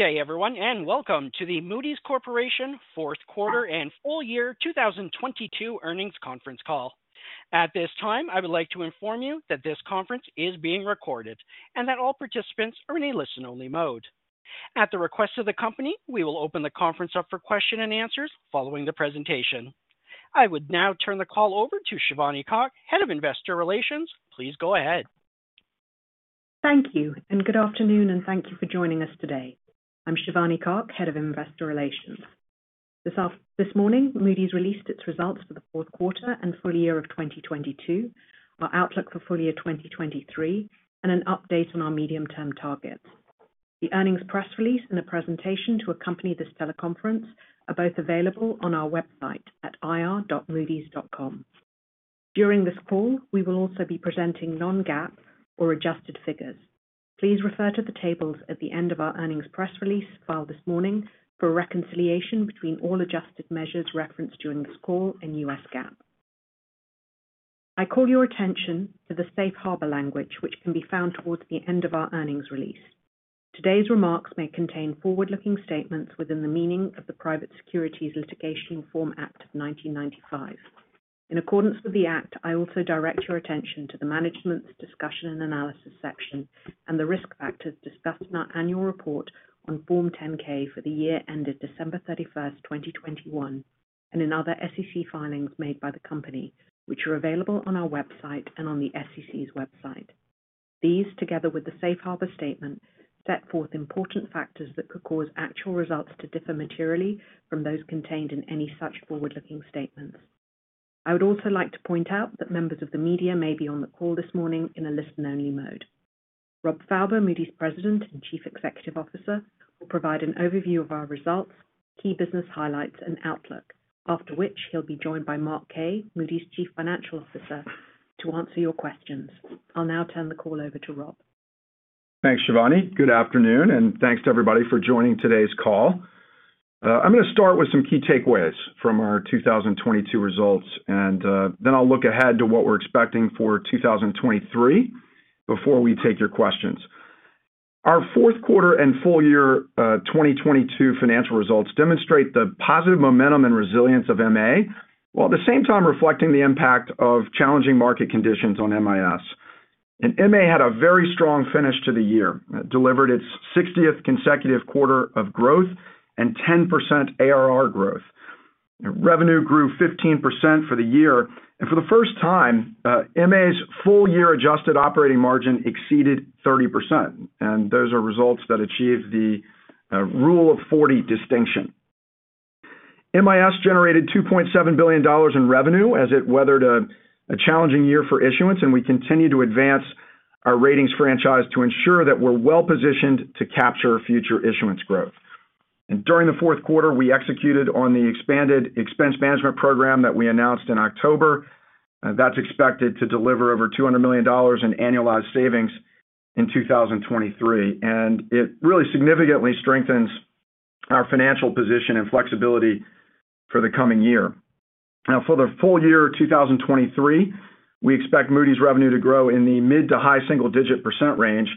Good day everyone, and welcome to the Moody's Corporation Fourth Quarter and Full Year 2022 Earnings Conference Call. At this time, I would like to inform you that this conference is being recorded and that all participants are in a listen-only mode. At the request of the company, we will open the conference up for question-and-answers following the presentation. I would now turn the call over to Shivani Kak, Head of Investor Relations. Please go ahead. Thank you, good afternoon, and thank you for joining us today. I'm Shivani Kak, Head of Investor Relations. This morning, Moody's released its results for the fourth quarter and full year of 2022, our outlook for full year 2023, and an update on our medium-term targets. The earnings press release and a presentation to accompany this teleconference are both available on our website at ir.moodys.com. During this call, we will also be presenting non-GAAP or adjusted figures. Please refer to the tables at the end of our earnings press release filed this morning for a reconciliation between all adjusted measures referenced during this call in U.S. GAAP. I call your attention to the safe harbor language, which can be found towards the end of our earnings release. Today's remarks may contain forward-looking statements within the meaning of the Private Securities Litigation Reform Act of 1995. In accordance with the act, I also direct your attention to the management's discussion and analysis section and the risk factors discussed in our annual report on Form 10-K for the year ended December 31st, 2021, and in other SEC filings made by the company, which are available on our website and on the SEC's website. These, together with the safe harbor statement, set forth important factors that could cause actual results to differ materially from those contained in any such forward-looking statements. I would also like to point out that members of the media may be on the call this morning in a listen-only mode. Rob Fauber, Moody's President and Chief Executive Officer, will provide an overview of our results, key business highlights, and outlook. After which, he'll be joined by Mark Kaye, Moody's Chief Financial Officer, to answer your questions. I'll now turn the call over to Rob. Thanks, Shivani. Good afternoon, and thanks to everybody for joining today's call. I'm gonna start with some key takeaways from our 2022 results and then I'll look ahead to what we're expecting for 2023 before we take your questions. Our fourth quarter and full year 2022 financial results demonstrate the positive momentum and resilience of MA, while at the same time reflecting the impact of challenging market conditions on MIS. MA had a very strong finish to the year. It delivered its 60th consecutive quarter of growth and 10% ARR growth. Revenue grew 15% for the year, and for the first time, MA's full-year adjusted operating margin exceeded 30%, and those are results that achieved the Rule of 40 distinction. MIS generated $2.7 billion in revenue as it weathered a challenging year for issuance, we continue to advance our ratings franchise to ensure that we're well-positioned to capture future issuance growth. During the fourth quarter, we executed on the expanded expense management program that we announced in October. That's expected to deliver over $200 million in annualized savings in 2023, it really significantly strengthens our financial position and flexibility for the coming year. For the full year 2023, we expect Moody's revenue to grow in the mid to high single-digit % range.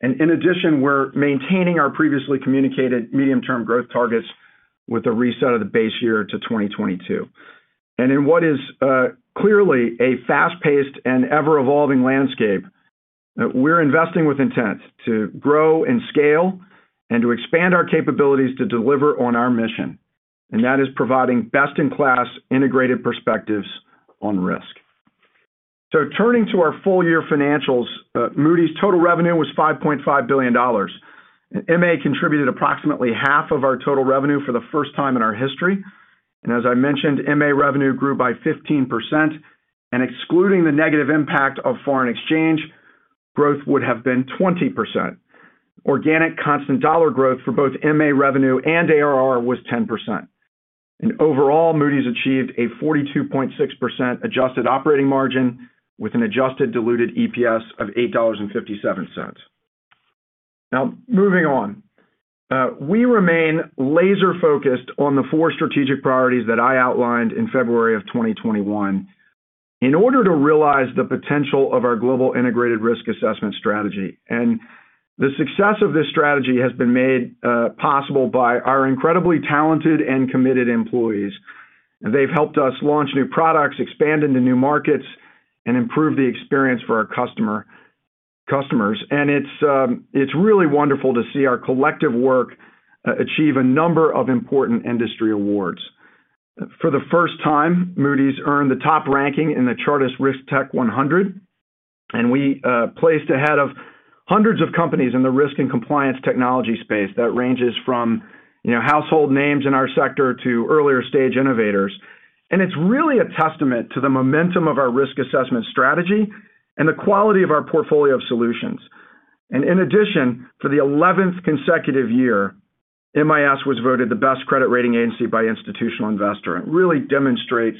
In addition, we're maintaining our previously communicated medium-term growth targets with a reset of the base year to 2022. In what is clearly a fast-paced and ever-evolving landscape, we're investing with intent to grow and scale and to expand our capabilities to deliver on our mission, and that is providing best-in-class integrated perspectives on risk. Turning to our full-year financials, Moody's total revenue was $5.5 billion. MA contributed approximately half of our total revenue for the first time in our history. As I mentioned, MA revenue grew by 15%, and excluding the negative impact of foreign exchange, growth would have been 20%. Organic constant dollar growth for both MA revenue and ARR was 10%. Overall, Moody's achieved a 42.6% adjusted operating margin with an adjusted diluted EPS of $8.57. Moving on. We remain laser-focused on the four strategic priorities that I outlined in February of 2021 in order to realize the potential of our global integrated risk assessment strategy. The success of this strategy has been made possible by our incredibly talented and committed employees. They've helped us launch new products, expand into new markets, and improve the experience for our customers. It's really wonderful to see our collective work achieve a number of important industry awards. For the first time, Moody's earned the top ranking in the Chartis RiskTech100, and we placed ahead of hundreds of companies in the risk and compliance technology space that ranges from, you know, household names in our sector to earlier-stage innovators. It's really a testament to the momentum of our risk assessment strategy and the quality of our portfolio of solutions. In addition, for the eleventh consecutive year, MIS was voted the best credit rating agency by Institutional Investor. It really demonstrates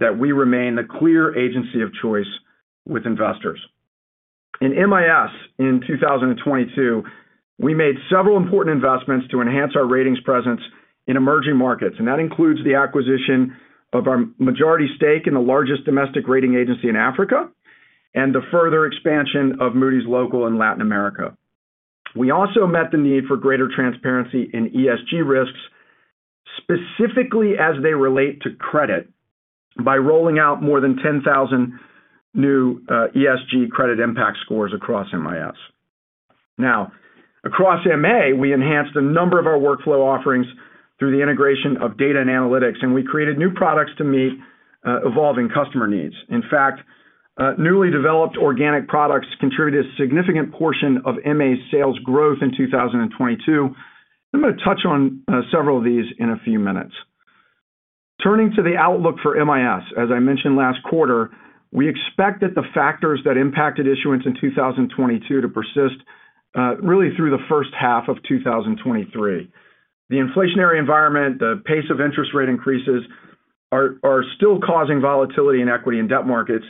that we remain the clear agency of choice with investors. In MIS in 2022, we made several important investments to enhance our ratings presence in emerging markets, and that includes the acquisition of our majority stake in the largest domestic rating agency in Africa. The further expansion of Moody's Local in Latin America. We also met the need for greater transparency in ESG risks, specifically as they relate to credit, by rolling out more than 10,000 new ESG credit impact scores across MIS. Now, across MA, we enhanced a number of our workflow offerings through the integration of data and analytics, and we created new products to meet evolving customer needs. In fact, newly developed organic products contributed a significant portion of MA's sales growth in 2022. I'm gonna touch on several of these in a few minutes. Turning to the outlook for MIS, as I mentioned last quarter, we expect that the factors that impacted issuance in 2022 to persist really through the first half of 2023. The inflationary environment, the pace of interest rate increases are still causing volatility in equity and debt markets,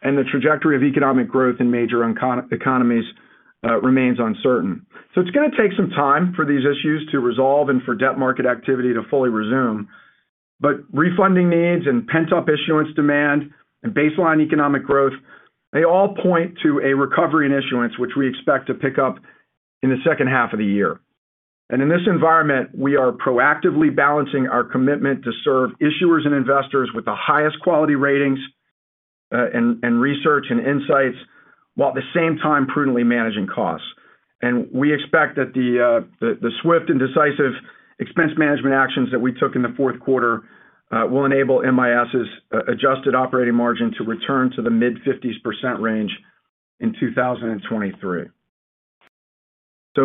and the trajectory of economic growth in major economies remains uncertain. It's gonna take some time for these issues to resolve and for debt market activity to fully resume. Refunding needs and pent-up issuance demand and baseline economic growth, they all point to a recovery in issuance, which we expect to pick up in the second half of the year. In this environment, we are proactively balancing our commitment to serve issuers and investors with the highest quality ratings, and research and insights, while at the same time prudently managing costs. We expect that the swift and decisive expense management actions that we took in the fourth quarter will enable MIS' adjusted operating margin to return to the mid-50s% range in 2023.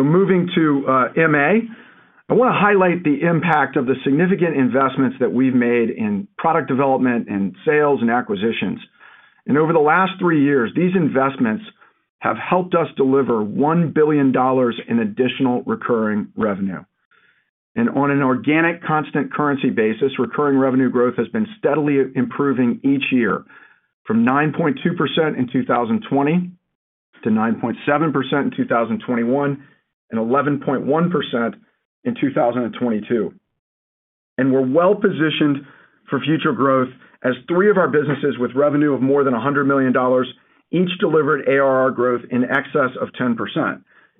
Moving to MA, I wanna highlight the impact of the significant investments that we've made in product development and sales and acquisitions. Over the last three years, these investments have helped us deliver $1 billion in additional recurring revenue. On an organic constant currency basis, recurring revenue growth has been steadily improving each year, from 9.2% in 2020, to 9.7% in 2021, and 11.1% in 2022. We're well-positioned for future growth as three of our businesses with revenue of more than $100 million each delivered ARR growth in excess of 10%.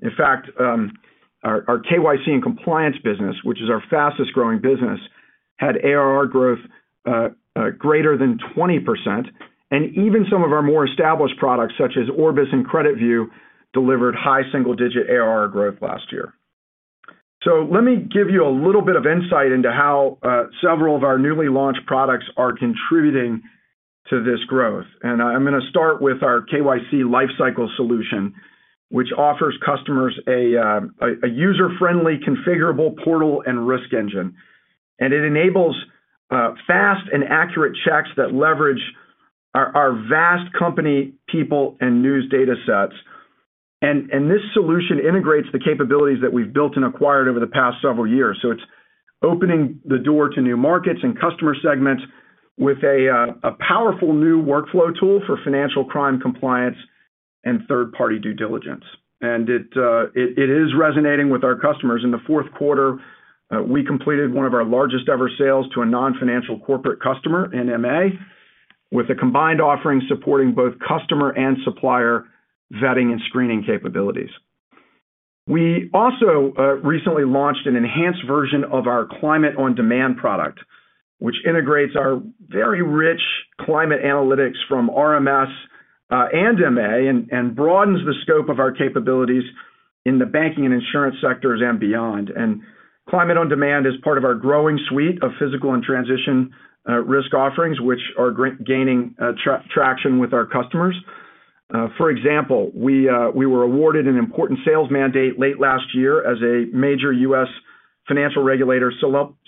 In fact, our KYC and compliance business, which is our fastest-growing business, had ARR growth greater than 20%, and even some of our more established products, such as Orbis and CreditView, delivered high single-digit ARR growth last year. Let me give you a little bit of insight into how several of our newly launched products are contributing to this growth. I'm gonna start with our KYC lifecycle solution, which offers customers a user-friendly configurable portal and risk engine. It enables fast and accurate checks that leverage our vast company, people, and news datasets. This solution integrates the capabilities that we've built and acquired over the past several years. It's opening the door to new markets and customer segments with a powerful new workflow tool for financial crime compliance and third-party due diligence. It is resonating with our customers. In the fourth quarter, we completed one of our largest ever sales to a non-financial corporate customer in M&A, with a combined offering supporting both customer and supplier vetting and screening capabilities. We also recently launched an enhanced version of our Climate on Demand product, which integrates our very rich climate analytics from RMS and MA and broadens the scope of our capabilities in the banking and insurance sectors and beyond. Climate on Demand is part of our growing suite of physical and transition risk offerings, which are gaining traction with our customers. For example, we were awarded an important sales mandate late last year as a major U.S. financial regulator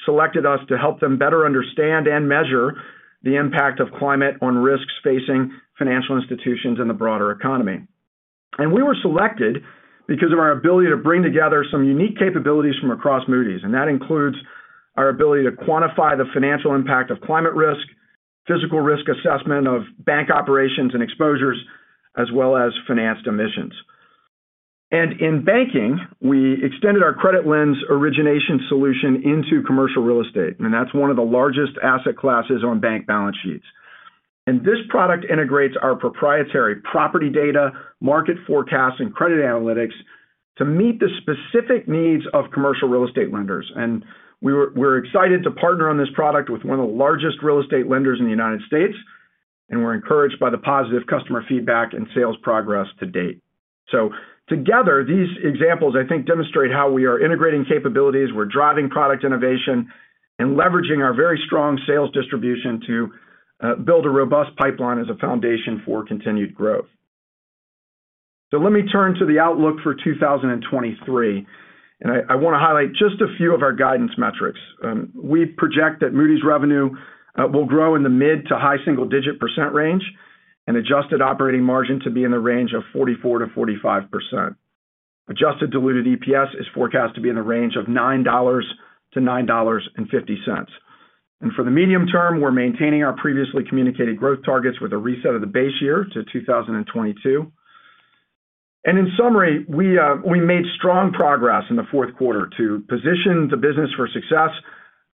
selected us to help them better understand and measure the impact of climate on risks facing financial institutions in the broader economy. We were selected because of our ability to bring together some unique capabilities from across Moody's, and that includes our ability to quantify the financial impact of climate risk, physical risk assessment of bank operations and exposures, as well as financed emissions. In banking, we extended our CreditLens origination solution into commercial real estate, and that's one of the largest asset classes on bank balance sheets. This product integrates our proprietary property data, market forecasts, and credit analytics to meet the specific needs of commercial real estate lenders. We're excited to partner on this product with one of the largest real estate lenders in the United States, and we're encouraged by the positive customer feedback and sales progress to date. Together, these examples, I think, demonstrate how we are integrating capabilities, we're driving product innovation, and leveraging our very strong sales distribution to build a robust pipeline as a foundation for continued growth. Let me turn to the outlook for 2023. I wanna highlight just a few of our guidance metrics. We project that Moody's revenue will grow in the mid to high single-digit % range and adjusted operating margin to be in the range of 44%-45%. Adjusted diluted EPS is forecast to be in the range of $9.00-$9.50. For the medium term, we're maintaining our previously communicated growth targets with a reset of the base year to 2022. In summary, we made strong progress in the fourth quarter to position the business for success,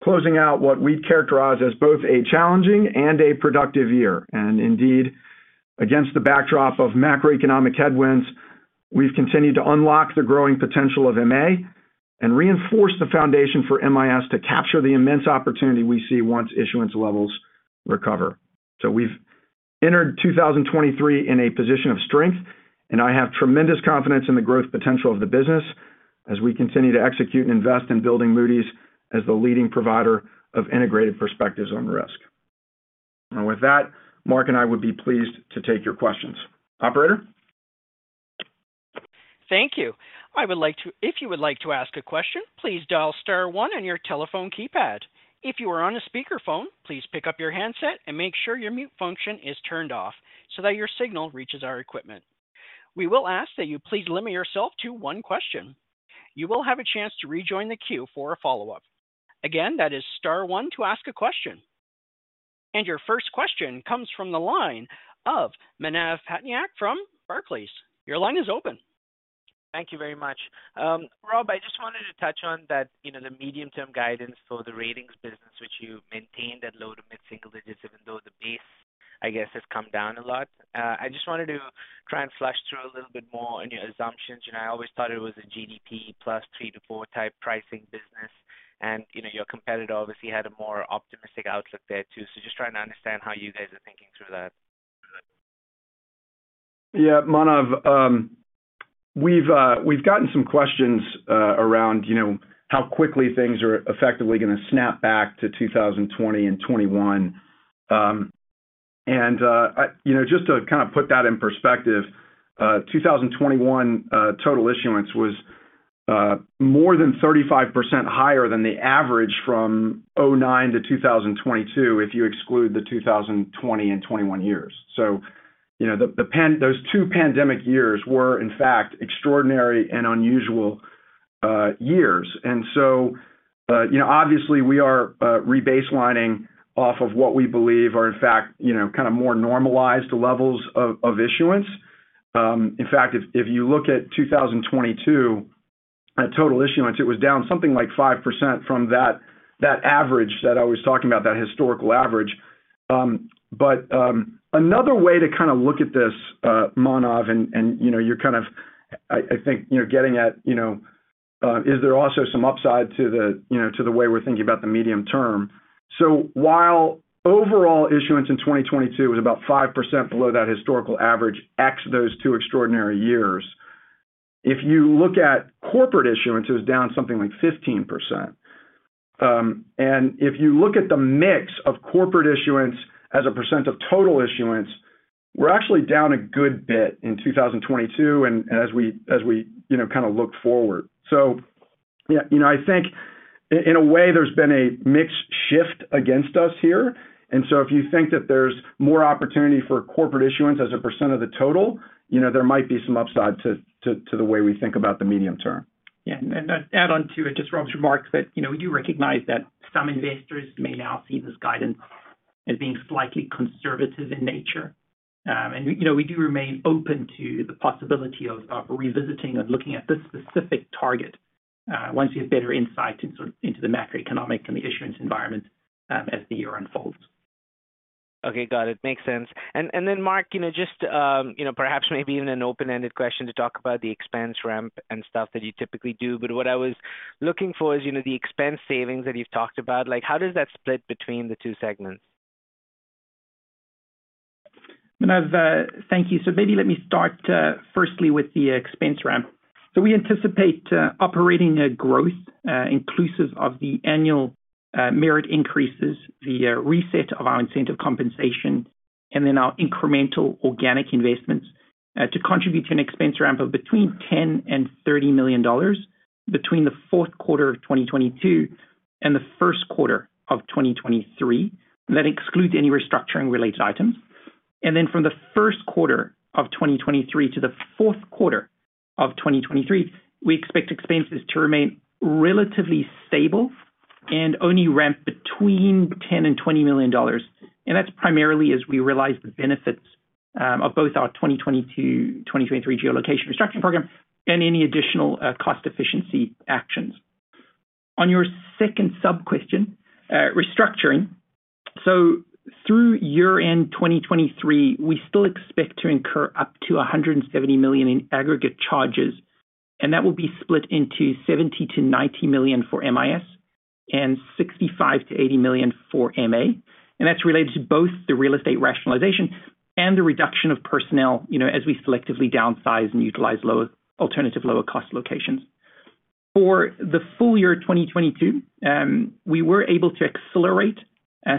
closing out what we characterize as both a challenging and a productive year. Indeed, against the backdrop of macroeconomic headwinds, we've continued to unlock the growing potential of MA and reinforce the foundation for MIS to capture the immense opportunity we see once issuance levels recover. We've entered 2023 in a position of strength, and I have tremendous confidence in the growth potential of the business as we continue to execute and invest in building Moody's as the leading provider of integrated perspectives on risk. With that, Mark and I would be pleased to take your questions. Operator? Thank you. If you would like to ask a question, please dial star one on your telephone keypad. If you are on a speakerphone, please pick up your handset and make sure your mute function is turned off so that your signal reaches our equipment. We will ask that you please limit yourself to one question. You will have a chance to rejoin the queue for a follow-up. Again, that is star one to ask a question. Your first question comes from the line of Manav Patnaik from Barclays. Your line is open. Thank you very much. Rob, I just wanted to touch on that, you know, the medium-term guidance for the ratings business, which you maintained at low to mid-single digits, even though the base, I guess, has come down a lot. I just wanted to try and flush through a little bit more on your assumptions. You know, I always thought it was a GDP plus three-four type pricing business. You know, your competitor obviously had a more optimistic outlook there too. Just trying to understand how you guys are thinking through that. Yeah. Manav, we've gotten some questions around, you know, how quickly things are effectively gonna snap back to 2020 and 2021. You know, just to kind of put that in perspective, 2021 total issuance was more than 35% higher than the average from 2009 to 2022, if you exclude the 2020 and 2021 years. You know, those two pandemic years were, in fact, extraordinary and unusual years. You know, obviously we are rebaselining off of what we believe are, in fact, you know, kind of more normalized levels of issuance. In fact, if you look at 2022 total issuance, it was down something like 5% from that average that I was talking about, that historical average. Another way to kind of look at this, Manav, and, you know, you're kind of I think, you know, getting at, you know, is there also some upside to the, you know, to the way we're thinking about the medium-term. While overall issuance in 2022 was about 5% below that historical average, X those two extraordinary years. If you look at corporate issuance, it was down something like 15%. If you look at the mix of corporate issuance as a percent of total issuance, we're actually down a good bit in 2022, as we, you know, kind of look forward. Yeah, you know, I think in a way there's been a mixed shift against us here. If you think that there's more opportunity for corporate issuance as a percent of the total, you know, there might be some upside to the way we think about the medium-term. Yeah. I'd add on to just Rob's remarks that, you know, we do recognize that some investors may now see this guidance as being slightly conservative in nature. We, you know, we do remain open to the possibility of revisiting and looking at this specific target, once we have better insight into the macroeconomic and the issuance environment, as the year unfolds. Okay. Got it. Makes sense. Then Mark, you know, just, you know, perhaps maybe even an open-ended question to talk about the expense ramp and stuff that you typically do. What I was looking for is, you know, the expense savings that you've talked about, like how does that split between the two segments? Manav, thank you. Maybe let me start firstly with the expense ramp. We anticipate operating growth inclusive of the annual merit increases, the reset of our incentive compensation, and then our incremental organic investments to contribute to an expense ramp of between $10 million and $30 million between the fourth quarter of 2022 and the first quarter of 2023. That excludes any restructuring related items. From the first quarter of 2023 to the fourth quarter of 2023, we expect expenses to remain relatively stable and only ramp between $10 million and $20 million. That's primarily as we realize the benefits of both our 2022, 2023 geolocation restructuring program and any additional cost efficiency actions. On your second sub-question, restructuring. Through year-end 2023, we still expect to incur up to $170 million in aggregate charges, that will be split into $70 million-$90 million for MIS and $65 million-$80 million for MA. That's related to both the real estate rationalization and the reduction of personnel, you know, as we selectively downsize and utilize alternative lower cost locations. For the full year 2022, we were able to accelerate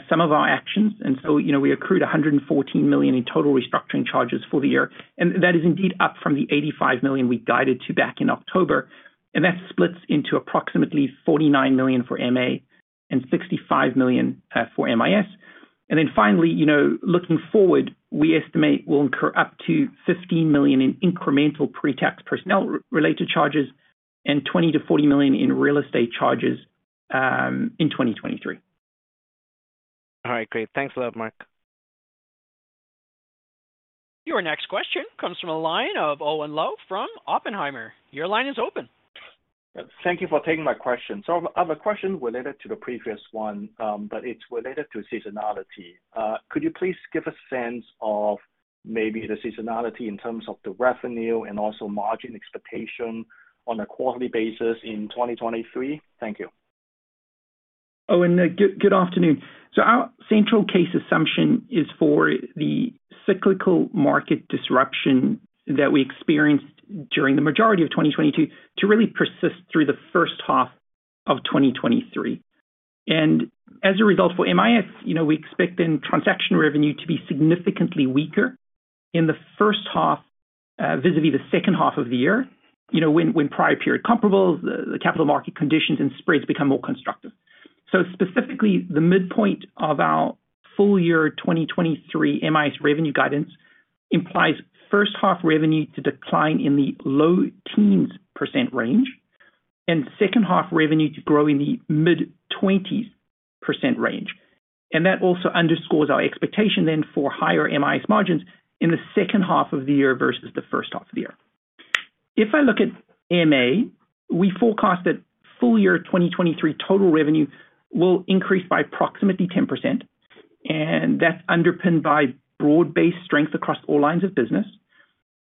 some of our actions. You know, we accrued $114 million in total restructuring charges for the year, that is indeed up from the $85 million we guided to back in October. That splits into approximately $49 million for MA and $65 million for MIS. Finally, you know, looking forward, we estimate we'll incur up to $15 million in incremental pre-tax personnel related charges and $20 million-$40 million in real estate charges in 2023. All right, great. Thanks a lot, Mark. Your next question comes from the line of Owen Lau from Oppenheimer. Your line is open. Thank you for taking my question. I have a question related to the previous one, but it's related to seasonality. Could you please give a sense of maybe the seasonality in terms of the revenue and also margin expectation on a quarterly bas in 2023? Thank you. Good, good afternoon. Our central case assumption is for the cyclical market disruption that we experienced during the majority of 2022 to really persist through the first half of 2023. As a result for MIS, you know, we expect then transaction revenue to be significantly weaker in the first half, vis-à-vis the second half of the year, you know, when prior period comparables, the capital market conditions and spreads become more constructive. Specifically, the midpoint of our full year 2023 MIS revenue guidance implies first half revenue to decline in the low teens % range, and second half revenue to grow in the mid-20s % range. That also underscores our expectation then for higher MIS margins in the second half of the year versus the first half of the year. If I look at MA, we forecast that full year 2023 total revenue will increase by approximately 10%,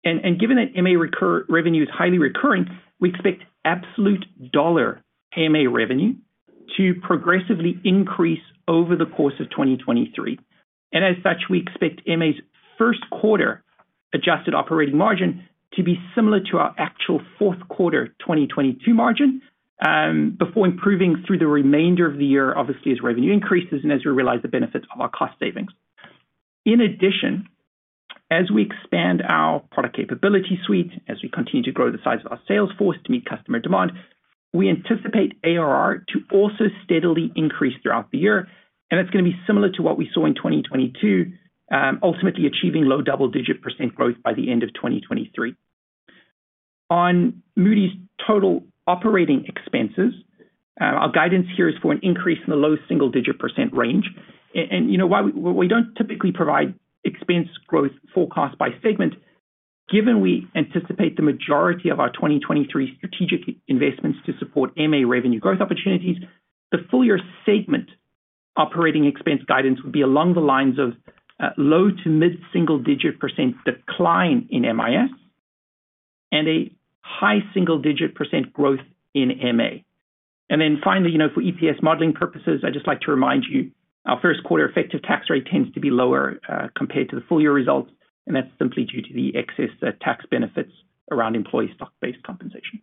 and given that MA revenue is highly recurrent, we expect absolute dollar MA revenue to progressively increase over the course of 2023. As such, we expect MA's first quarter adjusted operating margin to be similar to our actual fourth quarter 2022 margin, before improving through the remainder of the year, obviously, as revenue increases and as we realize the benefits of our cost savings. As we expand our product capability suite, as we continue to grow the size of our sales force to meet customer demand, we anticipate ARR to also steadily increase throughout the year, and it's gonna be similar to what we saw in 2022, ultimately achieving low double-digit % growth by the end of 2023. Moody's total operating expenses, our guidance here is for an increase in the low single-digit % range. You know why we don't typically provide expense growth forecast by segment, given we anticipate the majority of our 2023 strategic investments to support MA revenue growth opportunities, the full-year segment operating expense guidance would be along the lines of low to mid-single digit % decline in MIS and a high single-digit % growth in MA. Finally, you know, for EPS modeling purposes, I'd just like to remind you, our first quarter effective tax rate tends to be lower compared to the full-year results, and that's simply due to the excess tax benefits around employee stock-based compensation.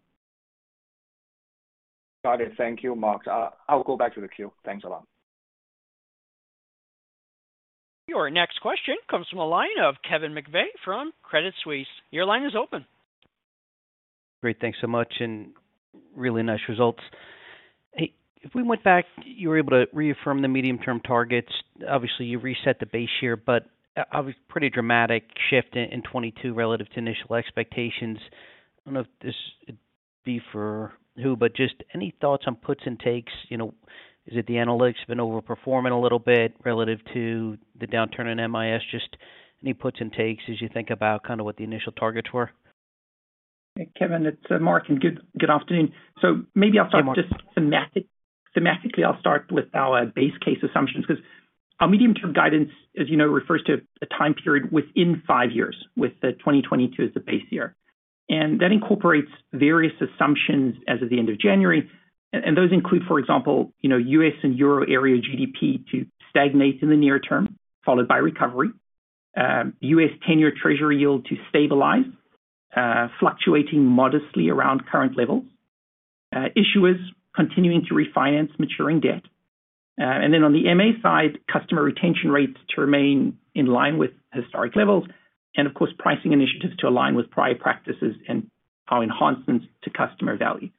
Got it. Thank you, Mark. I'll go back to the queue. Thanks a lot. Your next question comes from a line of Kevin McVeigh from Credit Suisse. Your line is open. Great. Thanks so much, and really nice results. Hey, if we went back, you were able to reaffirm the medium-term targets. Obviously, you reset the base year. Pretty dramatic shift in 2022 relative to initial expectations. I don't know if this would be for who, but just any thoughts on puts and takes, you know, is it the analytics have been overperforming a little bit relative to the downturn in MIS? Just any puts and takes as you think about kind of what the initial targets were? Kevin, it's Mark, and good afternoon. Maybe I'll start. Yeah, Mark. Just semantically, I'll start with our base case assumptions 'cause our medium-term guidance, as you know, refers to a time period within five years with the 2022 as the base year. That incorporates various assumptions as of the end of January. Those include, for example, you know, U.S. and Euro area GDP to stagnate in the near term, followed by recovery. U.S. 10-year treasury yield to stabilize, fluctuating modestly around current levels. Issuers continuing to refinance maturing debt. Then on the M&A side, customer retention rates to remain in line with historic levels and of course, pricing initiatives to align with prior practices and our enhancements to customer value.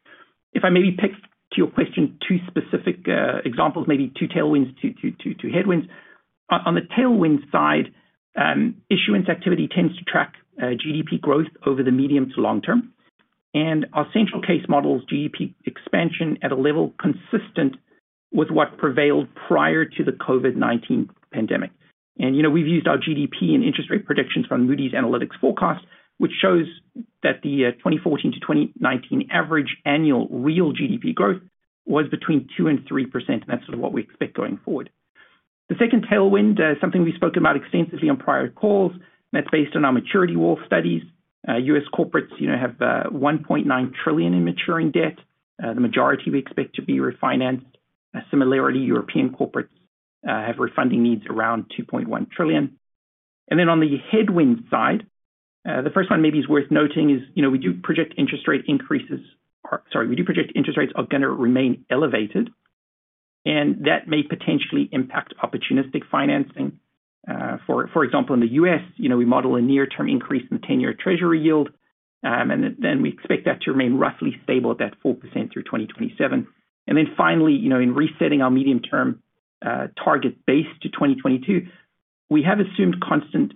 If I maybe pick, to your question, two specific examples, maybe two tailwinds, two headwinds. On, on the tailwind side, issuance activity tends to track GDP growth over the medium to long term. Our central case models GDP expansion at a level consistent with what prevailed prior to the COVID-19 pandemic. You know, we've used our GDP and interest rate predictions from Moody's Analytics forecast, which shows that the 2014 to 2019 average annual real GDP growth was between 2% and 3%, and that's sort of what we expect going forward. The second tailwind, something we spoke about extensively on prior calls, that's based on our maturity wall studies. U.S. corporates, you know, have $1.9 trillion in maturing debt. The majority we expect to be refinanced. Similarly, European corporates have refunding needs around $2.1 trillion. On the headwind side, the first one maybe is worth noting is, you know, we do project interest rate increases. Sorry. We do project interest rates are gonna remain elevated, and that may potentially impact opportunistic financing. For example, in the U.S., you know, we model a near term increase in 10-year treasury yield, then we expect that to remain roughly stable at that 4% through 2027. Finally, you know, in resetting our medium term, target base to 2022. We have assumed constant,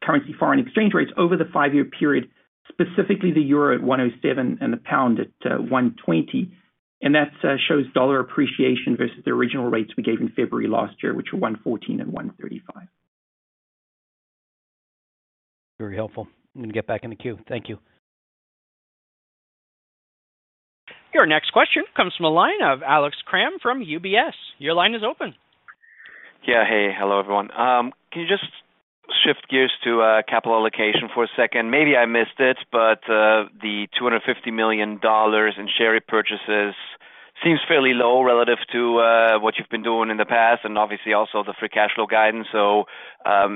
currency foreign exchange rates over the five year period, specifically the 107 euro and the 120 pound. That shows dollar appreciation versus the original rates we gave in February last year, which were 114 and 135. Very helpful. I'm gonna get back in the queue. Thank you. Your next question comes from a line of Alex Kramm from UBS. Your line is open. Yeah. Hey. Hello, everyone. Can you just shift gears to capital allocation for a second? Maybe I missed it, the $250 million in share repurchases seems fairly low relative to what you've been doing in the past and obviously also the free cash flow guidance.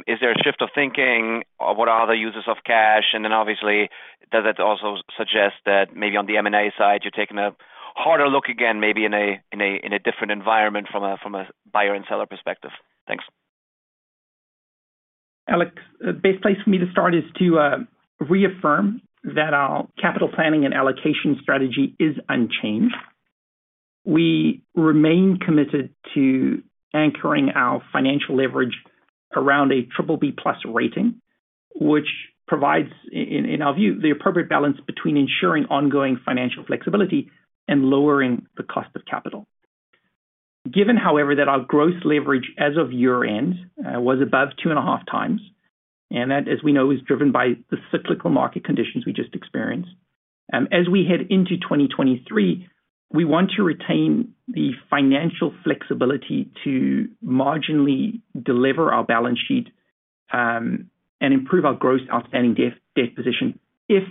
Is there a shift of thinking? What are other uses of cash? Obviously does that also suggest that maybe on the M&A side, you're taking a harder look again maybe in a, in a, in a different environment from a, from a buyer and seller perspective? Thanks. Alex, the best place for me to start is to reaffirm that our capital planning and allocation strategy is unchanged. We remain committed to anchoring our financial leverage around a BBB+ rating, which provides in our view, the appropriate balance between ensuring ongoing financial flexibility and lowering the cost of capital. Given, however, that our gross leverage as of year-end was above 2.5 times, and that, as we know, is driven by the cyclical market conditions we just experienced. As we head into 2023, we want to retain the financial flexibility to marginally deliver our balance sheet and improve our gross outstanding debt position if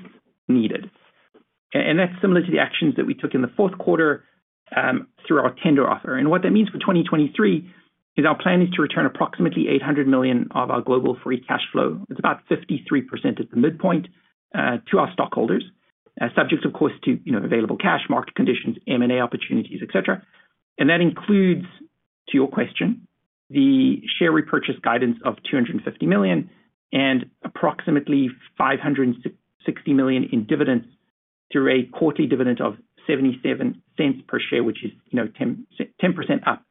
needed. That's similar to the actions that we took in the fourth quarter through our tender offer. What that means for 2023 is our plan is to return approximately $800 million of our global free cash flow. It's about 53% at the midpoint to our stockholders, subject, of course, to, you know, available cash, market conditions, M&A opportunities, et cetera. That includes, to your question, the share repurchase guidance of $250 million and approximately $560 million in dividends through a quarterly dividend of $0.77 per share, which is, you know, 10% up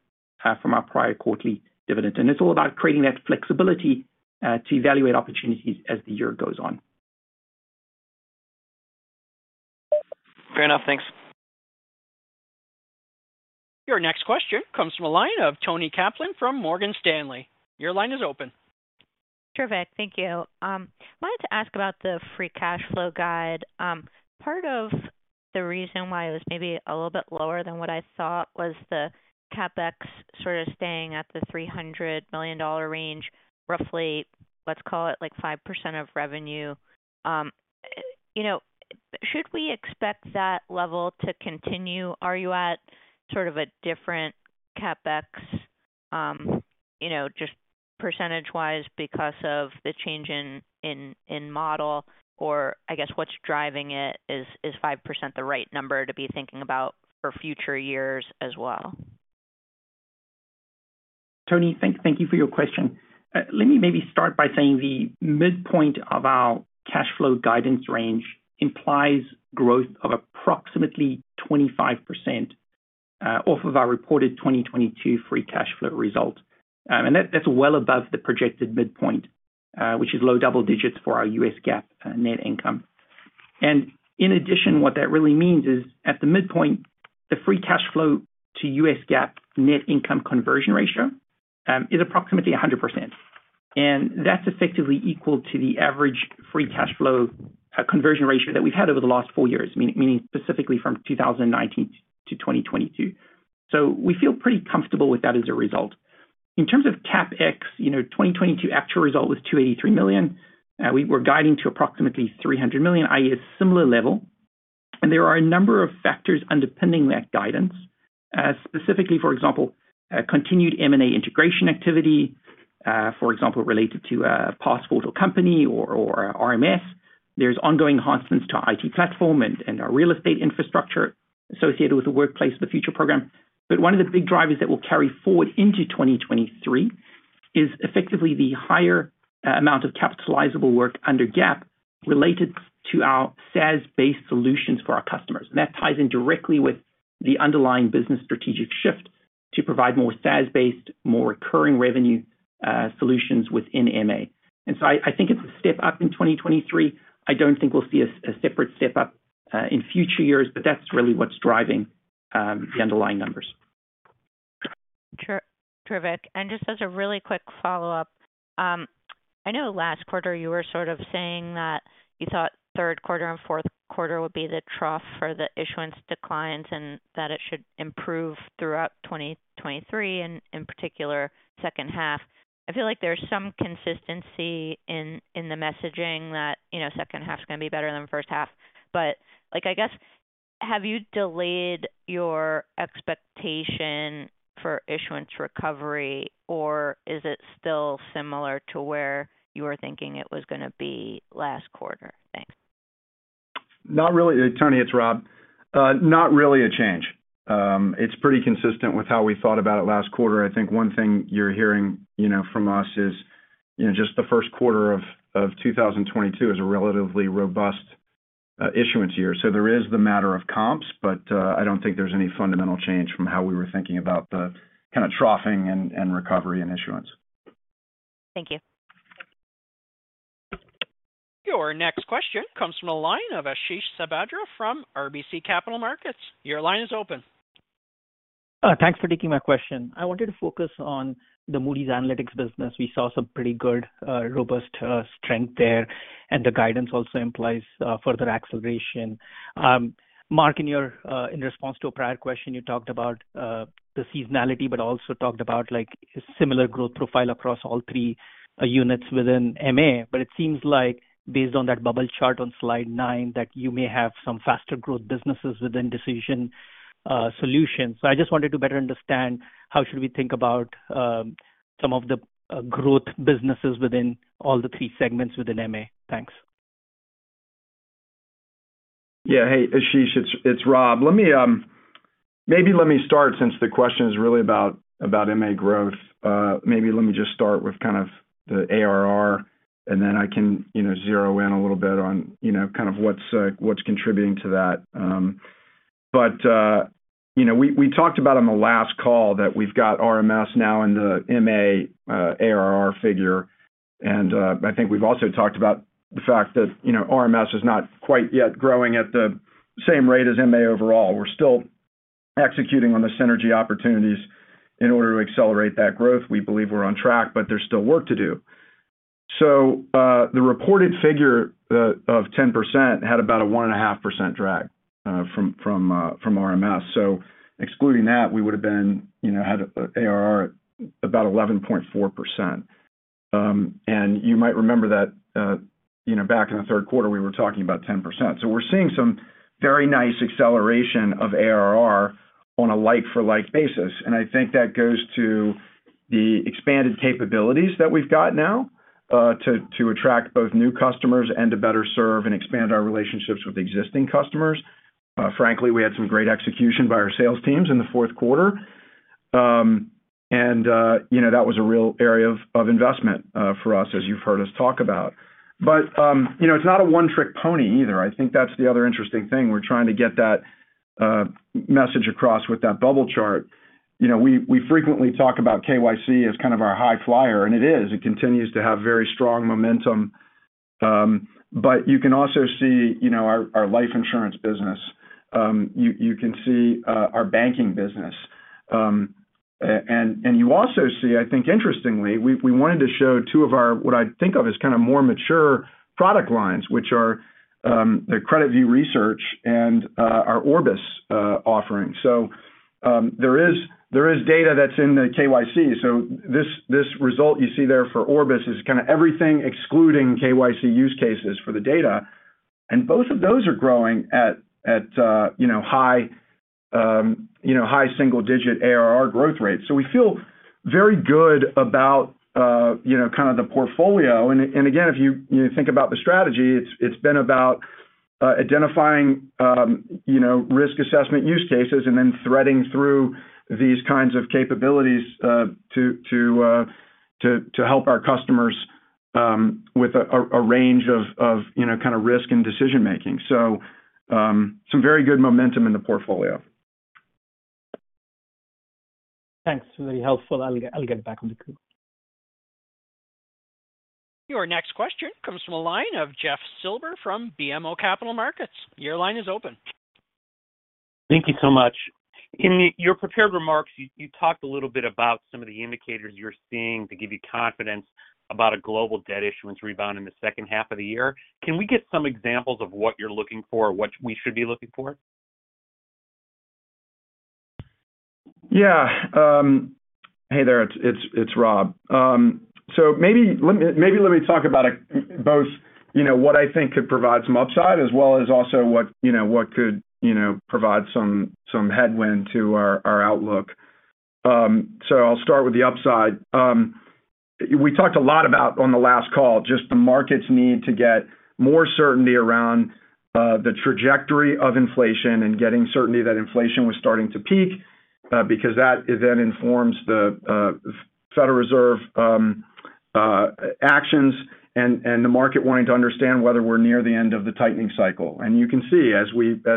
from our prior quarterly dividend. It's all about creating that flexibility to evaluate opportunities as the year goes on. Fair enough. Thanks. Your next question comes from a line of Toni Kaplan from Morgan Stanley. Your line is open. Terrific. Thank you. Wanted to ask about the free cash flow guide. Part of the reason why it was maybe a little bit lower than what I thought was the Capex sort of staying at the $300 million range, roughly, let's call it like 5% of revenue. You know, should we expect that level to continue? Are you at sort of a different Capex, you know, just percentage-wise because of the change in, in model, or I guess what's driving it? Is 5% the right number to be thinking about for future years as well? Toni, thank you for your question. Let me maybe start by saying the midpoint of our cash flow guidance range implies growth of approximately 25% off of our reported 2022 free cash flow result. That's well above the projected midpoint, which is low double digits for our U.S. GAAP Net Income. In addition, what that really means is at the midpoint, the free cash flow to U.S. GAAP Net Income conversion ratio, is approximately 100%. That's effectively equal to the average free cash flow conversion ratio that we've had over the last four years, meaning specifically from 2019 to 2022. We feel pretty comfortable with that as a result. In terms of Capex, you know, 2022 actual result was $283 million. We're guiding to approximately $300 million, i.e. a similar level. There are a number of factors underpinning that guidance, specifically, for example, continued M&A integration activity, for example, related to PassFort or kompany or RMS. There's ongoing enhancements to our IT platform and our real estate infrastructure associated with the Workplace of the Future program. One of the big drivers that will carry forward into 2023 is effectively the higher amount of capitalizable work under GAAP related to our SaaS-based solutions for our customers. That ties in directly with the underlying business strategic shift to provide more SaaS-based, more recurring revenue solutions within MA. I think it's a step up in 2023. I don't think we'll see a separate step-up in future years, but that's really what's driving the underlying numbers. Terrific. Just as a really quick follow-up. I know last quarter you were sort of saying that you thought third quarter and fourth quarter would be the trough for the issuance declines and that it should improve throughout 2023 and in particular second half. I feel like there's some consistency in the messaging that, you know, second half is gonna be better than the first half. Like, I guess, have you delayed your expectation for issuance recovery or is it still similar to where you were thinking it was gonna be last quarter? Thanks. Not really. Toni Kaplan, it's Rob Fauber. Not really a change. It's pretty consistent with how we thought about it last quarter. I think one thing you're hearing from us is just the first quarter of 2022 is a relatively robust issuance year. There is the matter of comps, but I don't think there's any fundamental change from how we were thinking about the kind of troughing and recovery and issuance. Thank you. Your next question comes from the line of Ashish Sabadra from RBC Capital Markets. Your line is open. Thanks for taking my question. I wanted to focus on the Moody's Analytics business. We saw some pretty good, robust strength there, and the guidance also implies further acceleration. Mark, in your, in response to a prior question, you talked about the seasonality, but also talked about, like, similar growth profile across all three units within MA. But it seems like based on that bubble chart on slide 9, that you may have some faster growth businesses within Decision Solutions. So I just wanted to better understand how should we think about some of the growth businesses within all the three segments within MA. Thanks. Yeah. Hey, Ashish, it's Rob. Let me... Maybe let me start, since the question is really about MA growth, maybe let me just start with kind of the ARR, and then I can, you know, zero in a little bit on, you know, kind of what's contributing to that. You know, we talked about on the last call that we've got RMS now in the MA ARR figure, and I think we've also talked about the fact that, you know, RMS is not quite yet growing at the same rate as MA overall. We're still executing on the synergy opportunities in order to accelerate that growth. We believe we're on track, but there's still work to do. The reported figure of 10% had about a 1.5% drag from RMS. Excluding that, we would've been, you know, had ARR about 11.4%. And you might remember that, you know, back in the third quarter, we were talking about 10%. We're seeing some very nice acceleration of ARR on a like-for-like basis, and I think that goes to the expanded capabilities that we've got now to attract both new customers and to better serve and expand our relationships with existing customers. Frankly, we had some great execution by our sales teams in the fourth quarter. And, you know, that was a real area of investment for us, as you've heard us talk about. You know, it's not a one-trick pony either. I think that's the other interesting thing. We're trying to get that message across with that bubble chart. You know, we frequently talk about KYC as kind of our high flyer, and it is. It continues to have very strong momentum. You can also see, you know, our life insurance business. You can see our banking business. You also see, I think interestingly, we wanted to show two of our, what I think of as kind of more mature product lines, which are, the CreditView Research and our Orbis offering. There is data that's in the KYC. This result you see there for Orbis is kind of everything excluding KYC use cases for the data, and both of those are growing at, you know, high, you know, high single-digit ARR growth rates. We feel very good about, you know, kind of the portfolio. Again, if you think about the strategy, it's been about identifying, you know, risk assessment use cases and then threading through these kinds of capabilities to help our customers with a range of, you know, kind of risk and decision-making. Some very good momentum in the portfolio. Thanks. Really helpful. I'll get back on the queue. Your next question comes from a line of Jeff Silber from BMO Capital Markets. Your line is open. Thank you so much. In your prepared remarks, you talked a little bit about some of the indicators you're seeing to give you confidence about a global debt issuance rebound in the second half of the year. Can we get some examples of what you're looking for or what we should be looking for? Yeah. Hey there, it's Rob. Maybe let me talk about it both, you know, what I think could provide some upside as well as also what, you know, what could, you know, provide some headwind to our outlook. I'll start with the upside. We talked a lot about on the last call just the market's need to get more certainty around the trajectory of inflation and getting certainty that inflation was starting to peak because that then informs the Federal Reserve actions and the market wanting to understand whether we're near the end of the tightening cycle. You can see as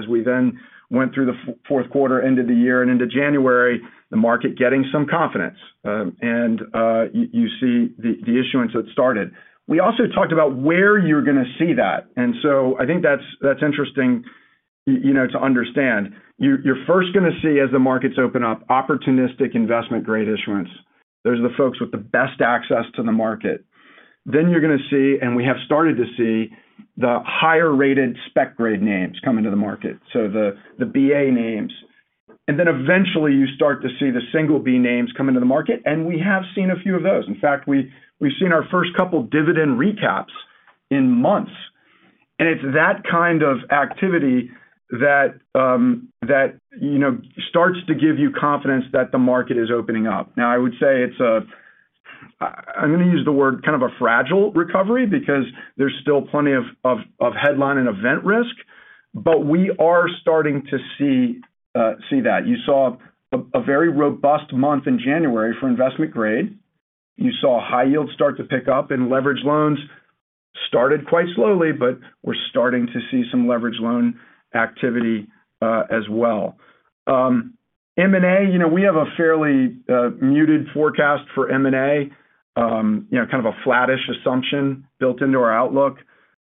we then went through the fourth quarter, end of the year and into January, the market getting some confidence. You see the issuance that started. We also talked about where you're gonna see that. I think that's interesting, you know, to understand. You're first gonna see as the markets open up, opportunistic investment-grade issuance. Those are the folks with the best access to the market. You're gonna see, and we have started to see, the higher-rated spec-grade names come into the market, so the BA names. Eventually you start to see the single B names come into the market, and we have seen a few of those. In fact, we've seen our first two dividend recaps in months. It's that kind of activity that, you know, starts to give you confidence that the market is opening up. I would say it's a... I'm gonna use the word kind of a fragile recovery because there's still plenty of headline and event risk. We are starting to see that. You saw a very robust month in January for investment grade. You saw high yield start to pick up in leveraged loans. Started quite slowly, but we're starting to see some leverage loan activity as well. M&A, you know, we have a fairly muted forecast for M&A. You know, kind of a flattish assumption built into our outlook.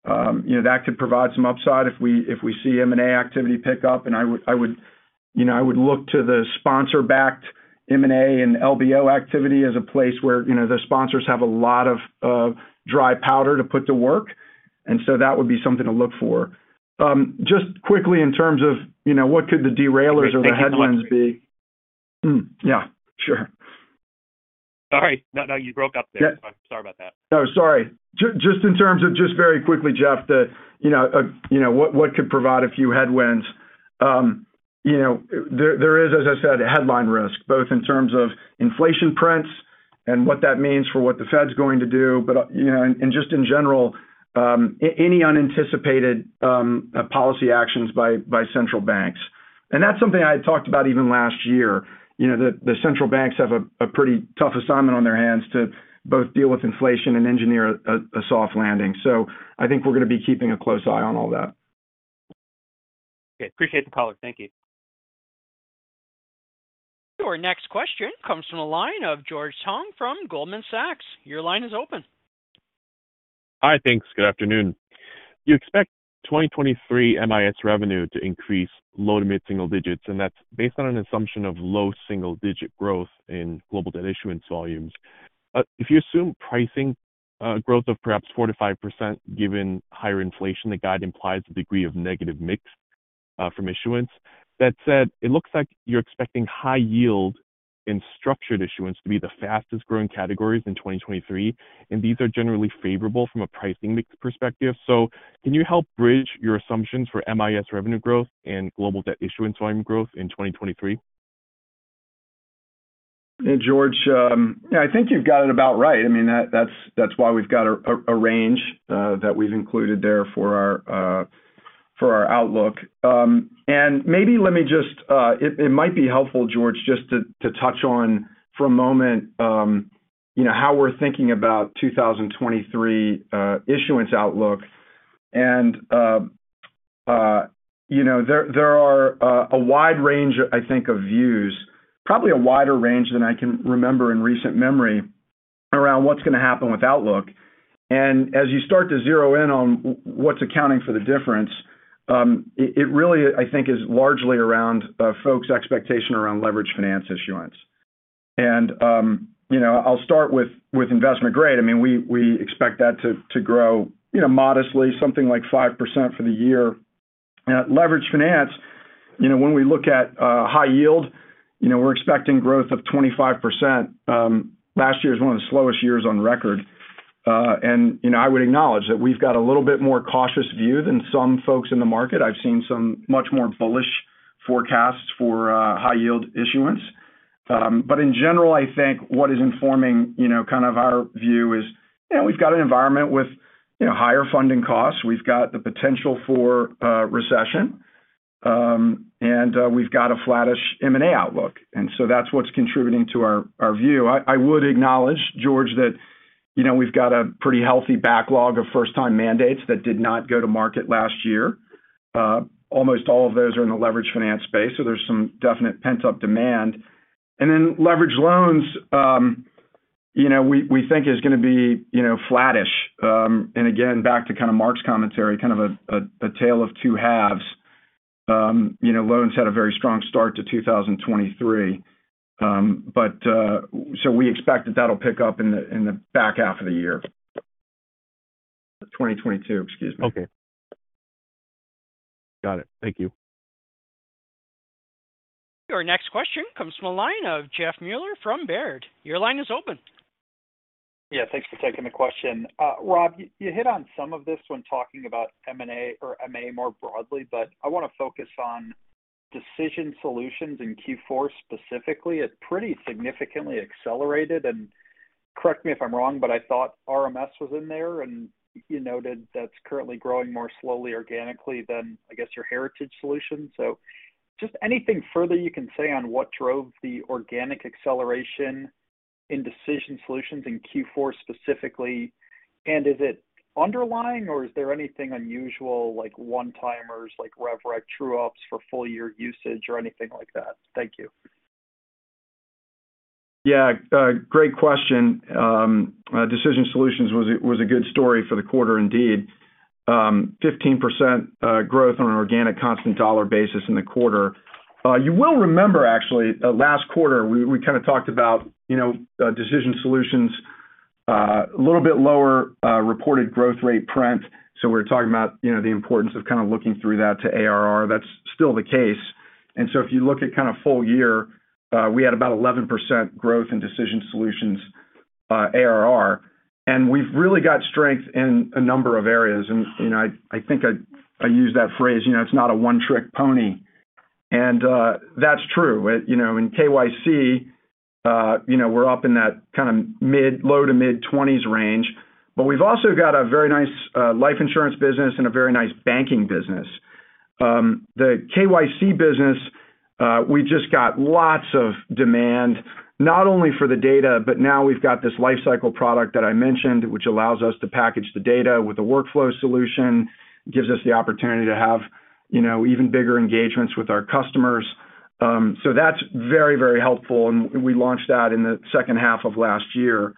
You know, that could provide some upside if we see M&A activity pick up. I would, you know, I would look to the sponsor-backed M&A and LBO activity as a place where, you know, the sponsors have a lot of dry powder to put to work. That would be something to look for. Just quickly in terms of, you know, what could the derailers or the headwinds. Great. Thank you. Yeah, sure. Sorry. No, no, you broke up there. Yeah. Sorry about that. No, sorry. Just in terms of just very quickly, Jeff, you know, what could provide a few headwinds. You know, there is, as I said, a headline risk, both in terms of inflation prints and what that means for what the Fed's going to do. You know, just in general, any unanticipated policy actions by central banks. That's something I had talked about even last year. You know, the central banks have a pretty tough assignment on their hands to both deal with inflation and engineer a soft landing. I think we're gonna be keeping a close eye on all that. Okay. Appreciate the color. Thank you. Our next question comes from the line of George Tong from Goldman Sachs. Your line is open. Hi. Thanks. Good afternoon. You expect 2023 MIS revenue to increase low to mid-single digits, and that's based on an assumption of low single-digit growth in global debt issuance volumes. If you assume pricing growth of perhaps 4%-5% given higher inflation, the guide implies a degree of negative mix from issuance. That said, it looks like you're expecting high yield in structured issuance to be the fastest-growing categories in 2023, and these are generally favorable from a pricing mix perspective. Can you help bridge your assumptions for MIS revenue growth and global debt issuance volume growth in 2023? Yeah, George, yeah, I think you've got it about right. I mean, that's why we've got a range that we've included there for our for our outlook. Maybe it might be helpful, George, to touch on for a moment, you know, how we're thinking about 2023 issuance outlook. You know, there are a wide range I think of views, probably a wider range than I can remember in recent memory, around what's gonna happen with outlook. As you start to zero in on what's accounting for the difference, it really I think is largely around folks' expectation around leverage finance issuance. You know, I'll start with investment grade. I mean, we expect that to grow, you know, modestly, something like 5% for the year. Leverage finance, you know, when we look at high yield, you know, we're expecting growth of 25%. Last year was one of the slowest years on record. I would acknowledge that we've got a little bit more cautious view than some folks in the market. I've seen some much more bullish forecasts for high yield issuance. In general, I think what is informing, you know, kind of our view is, you know, we've got an environment with, you know, higher funding costs. We've got the potential for recession. We've got a flattish M&A outlook. That's what's contributing to our view. I would acknowledge, George, that, you know, we've got a pretty healthy backlog of first-time mandates that did not go to market last year. Almost all of those are in the leverage finance space, so there's some definite pent-up demand. Leverage loans, you know, we think is gonna be, you know, flattish. Again, back to kind of Mark's commentary, kind of a tale of two halves. You know, loans had a very strong start to 2023. We expect that that'll pick up in the back half of the year. 2022, excuse me. Okay. Got it. Thank you. Our next question comes from a line of Jeff Meuler from Baird. Your line is open. Yeah. Thanks for taking the question. Rob, you hit on some of this when talking about M&A or MA more broadly, I want to focus on Decision Solutions in Q4 specifically. It pretty significantly accelerated, correct me if I'm wrong, I thought RMS was in there. You noted that's currently growing more slowly organically than, I guess, your heritage solution. Just anything further you can say on what drove the organic acceleration in Decision Solutions in Q4 specifically? Is it underlying, or is there anything unusual like one-timers, like rev rec true ups for full year usage or anything like that? Thank you. Yeah. Great question. Decision Solutions was a good story for the quarter indeed. 15% growth on an organic constant dollar basis in the quarter. You will remember actually, last quarter, we kind of talked about, you know, Decision Solutions, a little bit lower, reported growth rate print. We're talking about, you know, the importance of kind of looking through that to ARR. That's still the case. If you look at kind of full year, we had about 11% growth in Decision Solutions ARR. We've really got strength in a number of areas. You know, I think I use that phrase, you know, it's not a one-trick pony. That's true. You know, in KYC, you know, we're up in that kind of low to mid-20s range. We've also got a very nice life insurance business and a very nice banking business. The KYC business, we just got lots of demand, not only for the data, but now we've got this lifecycle product that I mentioned, which allows us to package the data with the workflow solution. Gives us the opportunity to have, you know, even bigger engagements with our customers. That's very, very helpful, and we launched that in the second half of last year.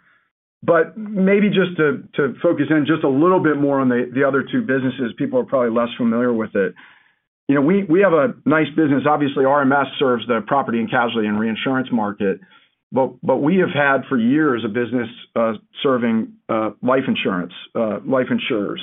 Maybe just to focus in just a little bit more on the other two businesses, people are probably less familiar with it. You know, we have a nice business. Obviously, RMS serves the property and casualty and reinsurance market, but we have had for years a business serving life insurance, life insurers.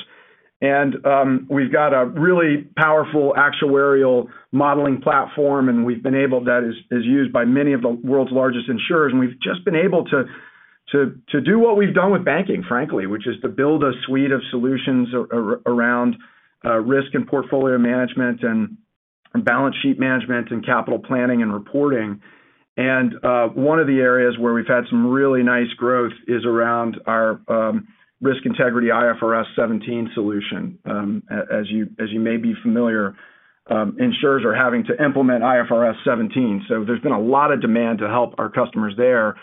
We've got a really powerful actuarial modeling platform that is used by many of the world's largest insurers, and we've just been able to do what we've done with banking, frankly, which is to build a suite of solutions around risk and portfolio management and balance sheet management and capital planning and reporting. One of the areas where we've had some really nice growth is around our RiskIntegrity IFRS 17 solution. As you may be familiar, insurers are having to implement IFRS 17, there's been a lot of demand to help our customers there.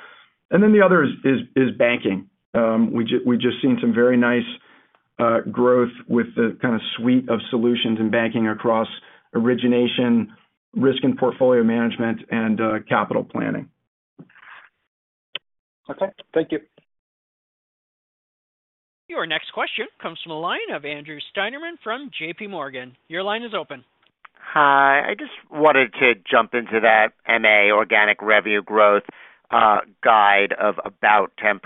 The other is banking. We've just seen some very nice growth with the kinda suite of solutions in banking across origination, risk and portfolio management, and capital planning. Okay, thank you. Your next question comes from the line of Andrew Steinerman from JPMorgan. Your line is open. Hi. I just wanted to jump into that MA organic revenue growth guide of about 10%.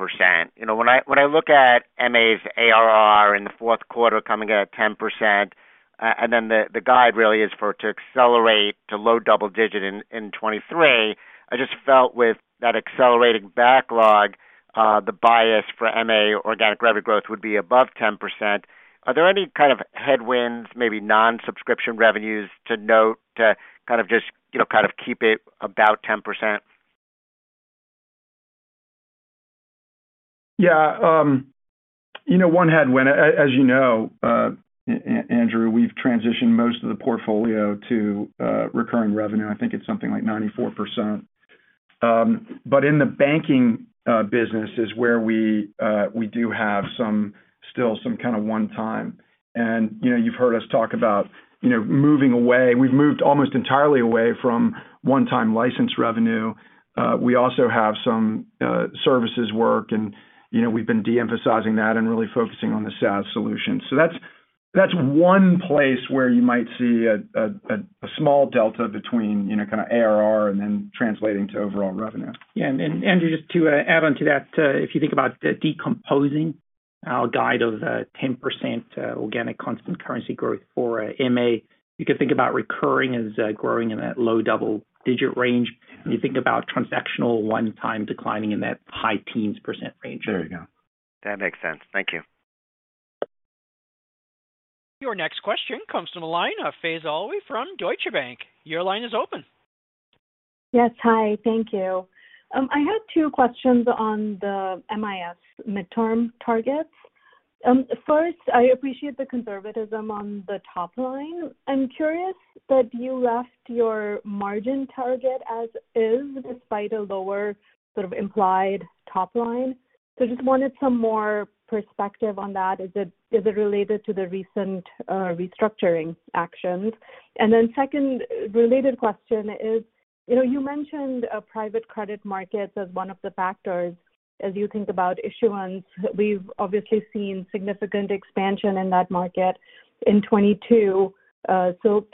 You know, when I look at MA's ARR in the fourth quarter coming at 10%, and then the guide really is for it to accelerate to low double digit in 2023, I just felt with that accelerating backlog, the bias for MA organic revenue growth would be above 10%. Are there any kind of headwinds, maybe non-subscription revenues to note to kind of just, you know, kind of keep it about 10%? Yeah. You know, one headwind, as you know, Andrew, we've transitioned most of the portfolio to recurring revenue. I think it's something like 94%. In the banking business is where we still some kinda one-time. You know, you've heard us talk about, you know, moving away. We've moved almost entirely away from one-time license revenue. We also have some services work, and, you know, we've been de-emphasizing that and really focusing on the SaaS solution. That's one place where you might see a small delta between, you know, kinda ARR and then translating to overall revenue. Yeah. Andrew, just to add on to that, if you think about decomposing our guide of 10% organic constant currency growth for MA, you could think about recurring as growing in that low double-digit range. When you think about transactional one time declining in that high teens% range. There you go. That makes sense. Thank you. Your next question comes from the line of Faiza Alwy from Deutsche Bank. Your line is open. Yes. Hi. Thank you. I had two questions on the MIS midterm targets. First, I appreciate the conservatism on the top line. I'm curious that you left your margin target as is despite a lower sort of implied top line. Just wanted some more perspective on that. Is it, is it related to the recent restructuring actions? Second related question is, you know, you mentioned private credit markets as one of the factors as you think about issuance. We've obviously seen significant expansion in that market in 2022.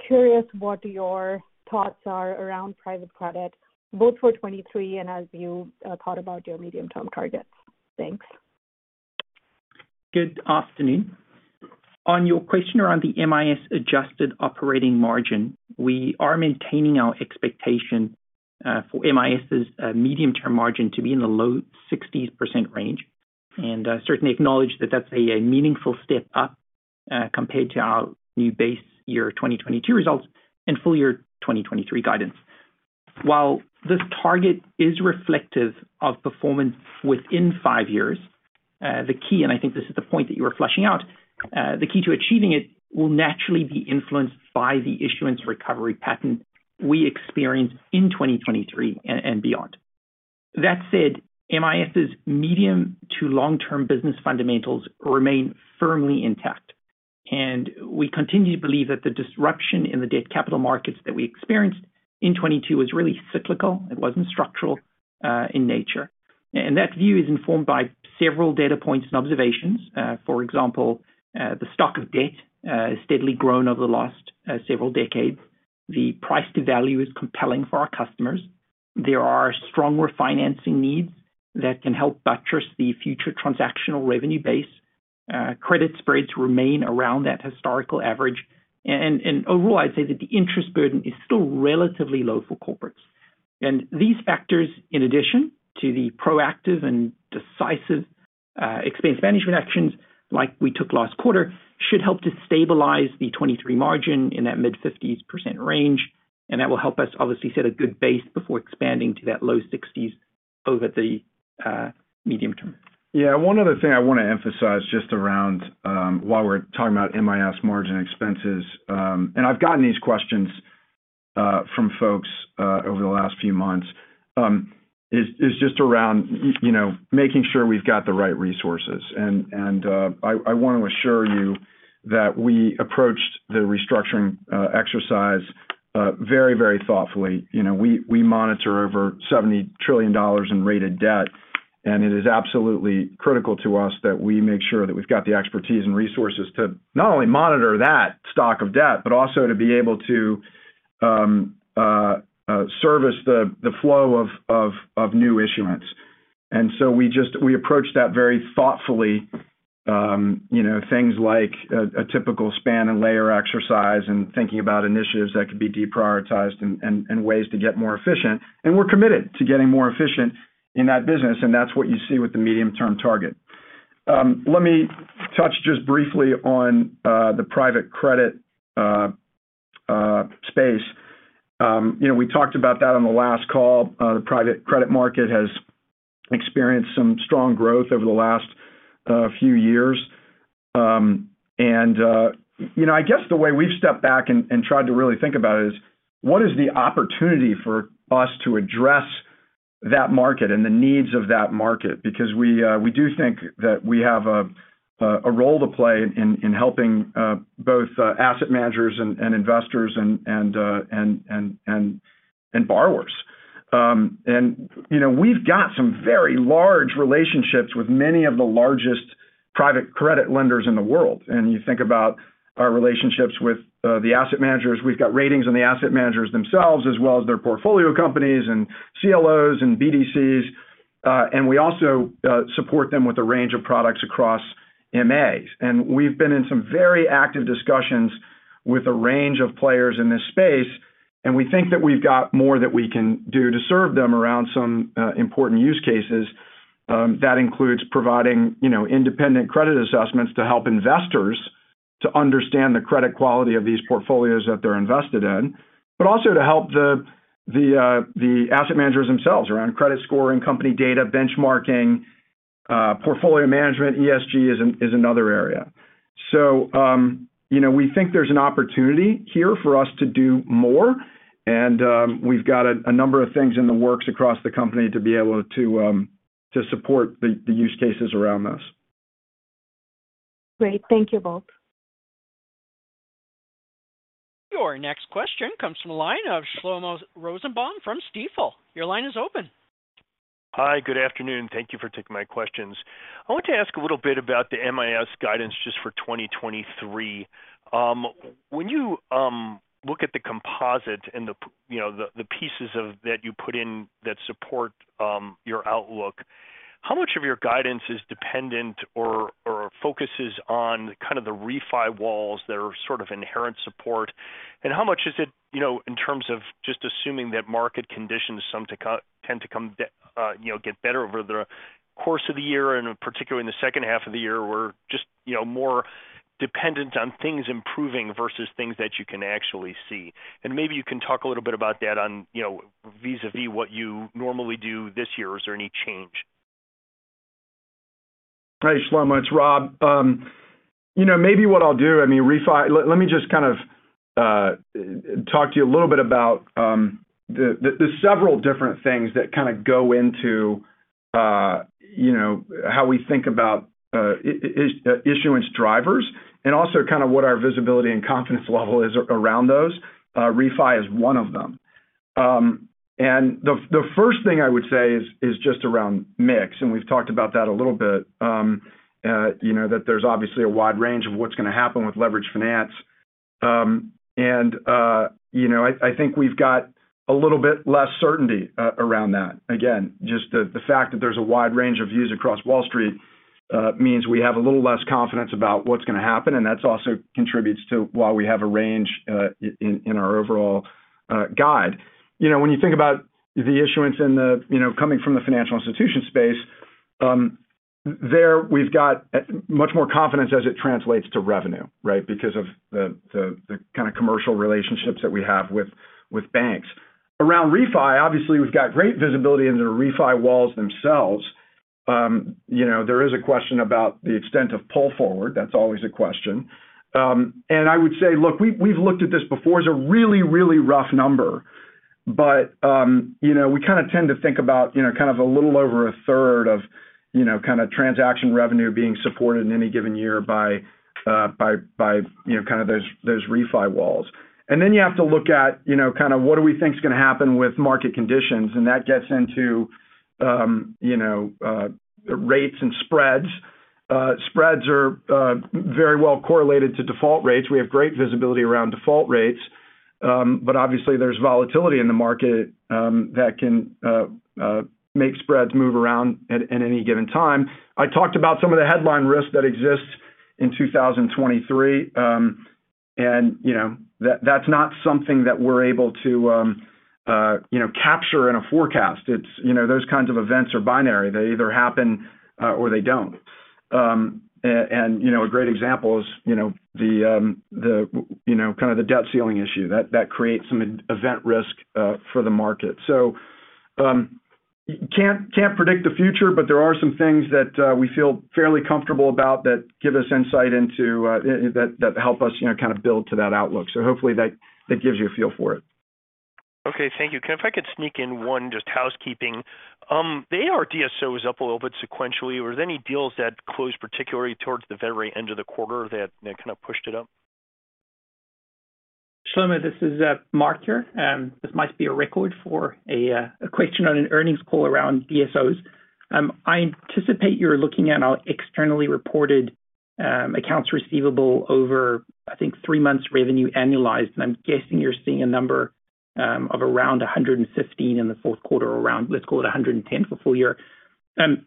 Curious what your thoughts are around private credit, both for 2023 and as you thought about your medium-term targets. Thanks. Good afternoon. On your question around the MIS adjusted operating margin, we are maintaining our expectation for MIS's medium-term margin to be in the low 60% range. Certainly acknowledge that that's a meaningful step up compared to our new base year 2022 results and full year 2023 guidance. While this target is reflective of performance within five years, the key, and I think this is the point that you were fleshing out, the key to achieving it will naturally be influenced by the issuance recovery pattern we experience in 2023 and beyond. That said, MIS's medium to long-term business fundamentals remain firmly intact. We continue to believe that the disruption in the debt capital markets that we experienced in 2022 was really cyclical. It wasn't structural in nature. That view is informed by several data points and observations. For example, the stock of debt has steadily grown over the last several decades. The price to value is compelling for our customers. There are strong refinancing needs that can help buttress the future transactional revenue base. Credit spreads remain around that historical average. Overall, I'd say that the interest burden is still relatively low for corporates. These factors, in addition to the proactive and decisive expense management actions like we took last quarter, should help to stabilize the 2023 margin in that mid-50s% range, and that will help us obviously set a good base before expanding to that low 60s. Over the medium term. Yeah. One other thing I want to emphasize just around, while we're talking about MIS margin expenses, and I've gotten these questions from folks over the last few months, is just around, you know, making sure we've got the right resources. I want to assure you that we approached the restructuring exercise very, very thoughtfully. You know, we monitor over $70 trillion in rated debt, and it is absolutely critical to us that we make sure that we've got the expertise and resources to not only monitor that stock of debt, but also to be able to service the flow of new issuance. We just, we approach that very thoughtfully, you know, things like a typical span and layer exercise and thinking about initiatives that could be deprioritized and ways to get more efficient. We're committed to getting more efficient in that business, and that's what you see with the medium-term target. Let me touch just briefly on the private credit space. You know, we talked about that on the last call. The private credit market has experienced some strong growth over the last few years. You know, I guess the way we've stepped back and tried to really think about it is: What is the opportunity for us to address that market and the needs of that market? We do think that we have a role to play in helping both asset managers and investors and borrowers. You know, we've got some very large relationships with many of the largest private credit lenders in the world. You think about our relationships with the asset managers. We've got ratings on the asset managers themselves, as well as their portfolio companies and CLOs and BDCs. We also support them with a range of products across MAs. We've been in some very active discussions with a range of players in this space, and we think that we've got more that we can do to serve them around some important use cases, that includes providing, you know, independent credit assessments to help investors to understand the credit quality of these portfolios that they're invested in. Also to help the asset managers themselves around credit scoring, company data, benchmarking, portfolio management. ESG is another area. You know, we think there's an opportunity here for us to do more and we've got a number of things in the works across the company to be able to support the use cases around this. Great. Thank you both. Your next question comes from the line of Shlomo Rosenbaum from Stifel. Your line is open. Hi. Good afternoon. Thank you for taking my questions. I want to ask a little bit about the MIS guidance just for 2023. When you look at the composite and you know, the pieces of that you put in that support your outlook, how much of your guidance is dependent or focuses on kind of the refi walls that are sort of inherent support, and how much is it, you know, in terms of just assuming that market conditions tend to come, you know, get better over the course of the year and particularly in the second half of the year were just, you know, more dependent on things improving versus things that you can actually see? Maybe you can talk a little bit about that on, you know, vis-a-vis what you normally do this year. Is there any change? Hey, Shlomo. It's Rob. you know, maybe what I'll do... I mean, let me just kind of talk to you a little bit about the several different things that kind of go into, you know, how we think about issuance drivers and also kind of what our visibility and confidence level is around those. refi is one of them. and the first thing I would say is just around mix, and we've talked about that a little bit. you know, that there's obviously a wide range of what's gonna happen with leverage finance. you know, I think we've got a little bit less certainty around that. Just the fact that there's a wide range of views across Wall Street means we have a little less confidence about what's gonna happen, that's also contributes to why we have a range in our overall guide. You know, when you think about the issuance in the coming from the financial institution space, there we've got much more confidence as it translates to revenue, right? Because of the kind of commercial relationships that we have with banks. Around refi, obviously, we've got great visibility into the refi walls themselves. You know, there is a question about the extent of pull forward. That's always a question. I would say, look, we've looked at this before. It's a really, really rough number, but, you know, we kind of tend to think about, you know, kind of a little over a third of, you know, kind of transaction revenue being supported in any given year by, you know, kind of those refi walls. Then you have to look at, you know, kind of what do we think is gonna happen with market conditions, and that gets into, you know, rates and spreads. Spreads are very well correlated to default rates. We have great visibility around default rates. But obviously there's volatility in the market, that can make spreads move around at any given time. I talked about some of the headline risks that exist in 2023. You know, that's not something that we're able to, you know, capture in a forecast. It's, you know, those kinds of events are binary. They either happen or they don't. You know, a great example is, you know, the, you know, kind of the debt ceiling issue. That creates some event risk for the market. Can't predict the future, but there are some things that we feel fairly comfortable about that give us insight into that help us, you know, kind of build to that outlook. Hopefully that gives you a feel for it. Okay. Thank you. If I could sneak in one just housekeeping. The AR DSO is up a little bit sequentially. Were there any deals that closed, particularly towards the very end of the quarter that kind of pushed it up? Shlomo, this is Mark here. This might be a record for a question on an earnings call around DSOs. I anticipate you're looking at our externally reported accounts receivable over, I think, three months revenue annualized, and I'm guessing you're seeing a number of around 115 in the fourth quarter around, let's call it 110 for full year.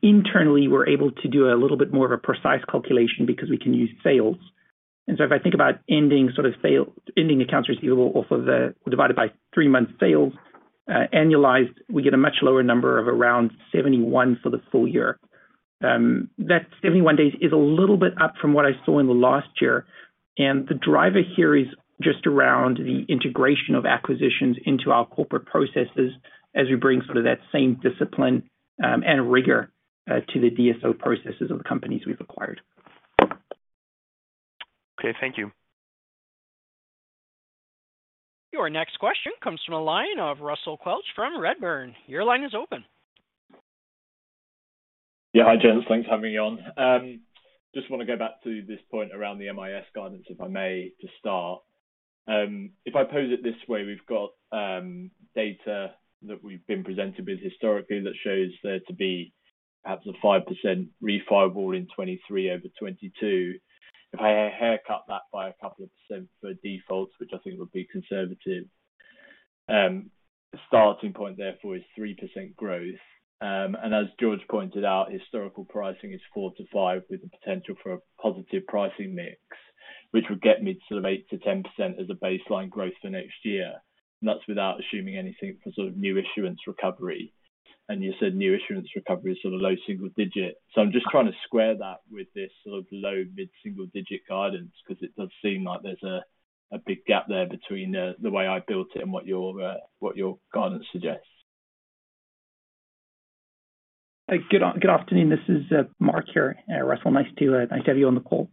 Internally, we're able to do a little bit more of a precise calculation because we can use sales. If I think about ending accounts receivable divided by three month sales annualized, we get a much lower number of around 71 for the full year. That 71 days is a little bit up from what I saw in the last year. The driver here is just around the integration of acquisitions into our corporate processes as we bring sort of that same discipline, and rigor, to the DSO processes of the companies we've acquired. Okay. Thank you. Your next question comes from the line of Russell Quelch from Redburn. Your line is open. Yeah. Hi, gents. Thanks for having me on. Just wanna go back to this point around the MIS guidance, if I may, to start. If I pose it this way, we've got data that we've been presented with historically that shows there to be perhaps a 5% refilable in 2023 over 2022. If I hair-cut that by a couple of percent for defaults, which I think would be conservative, the starting point therefore is 3% growth. As George pointed out, historical pricing is 4%-5% with the potential for a positive pricing mix, which would get me to sort of 8%-10% as a baseline growth for next year. That's without assuming anything for sort of new issuance recovery. You said new issuance recovery is sort of low single digit. I'm just trying to square that with this sort of low mid-single digit guidance because it does seem like there's a big gap there between the way I built it and what your guidance suggests. Good afternoon. This is Mark here. Russell, nice to have you on the call.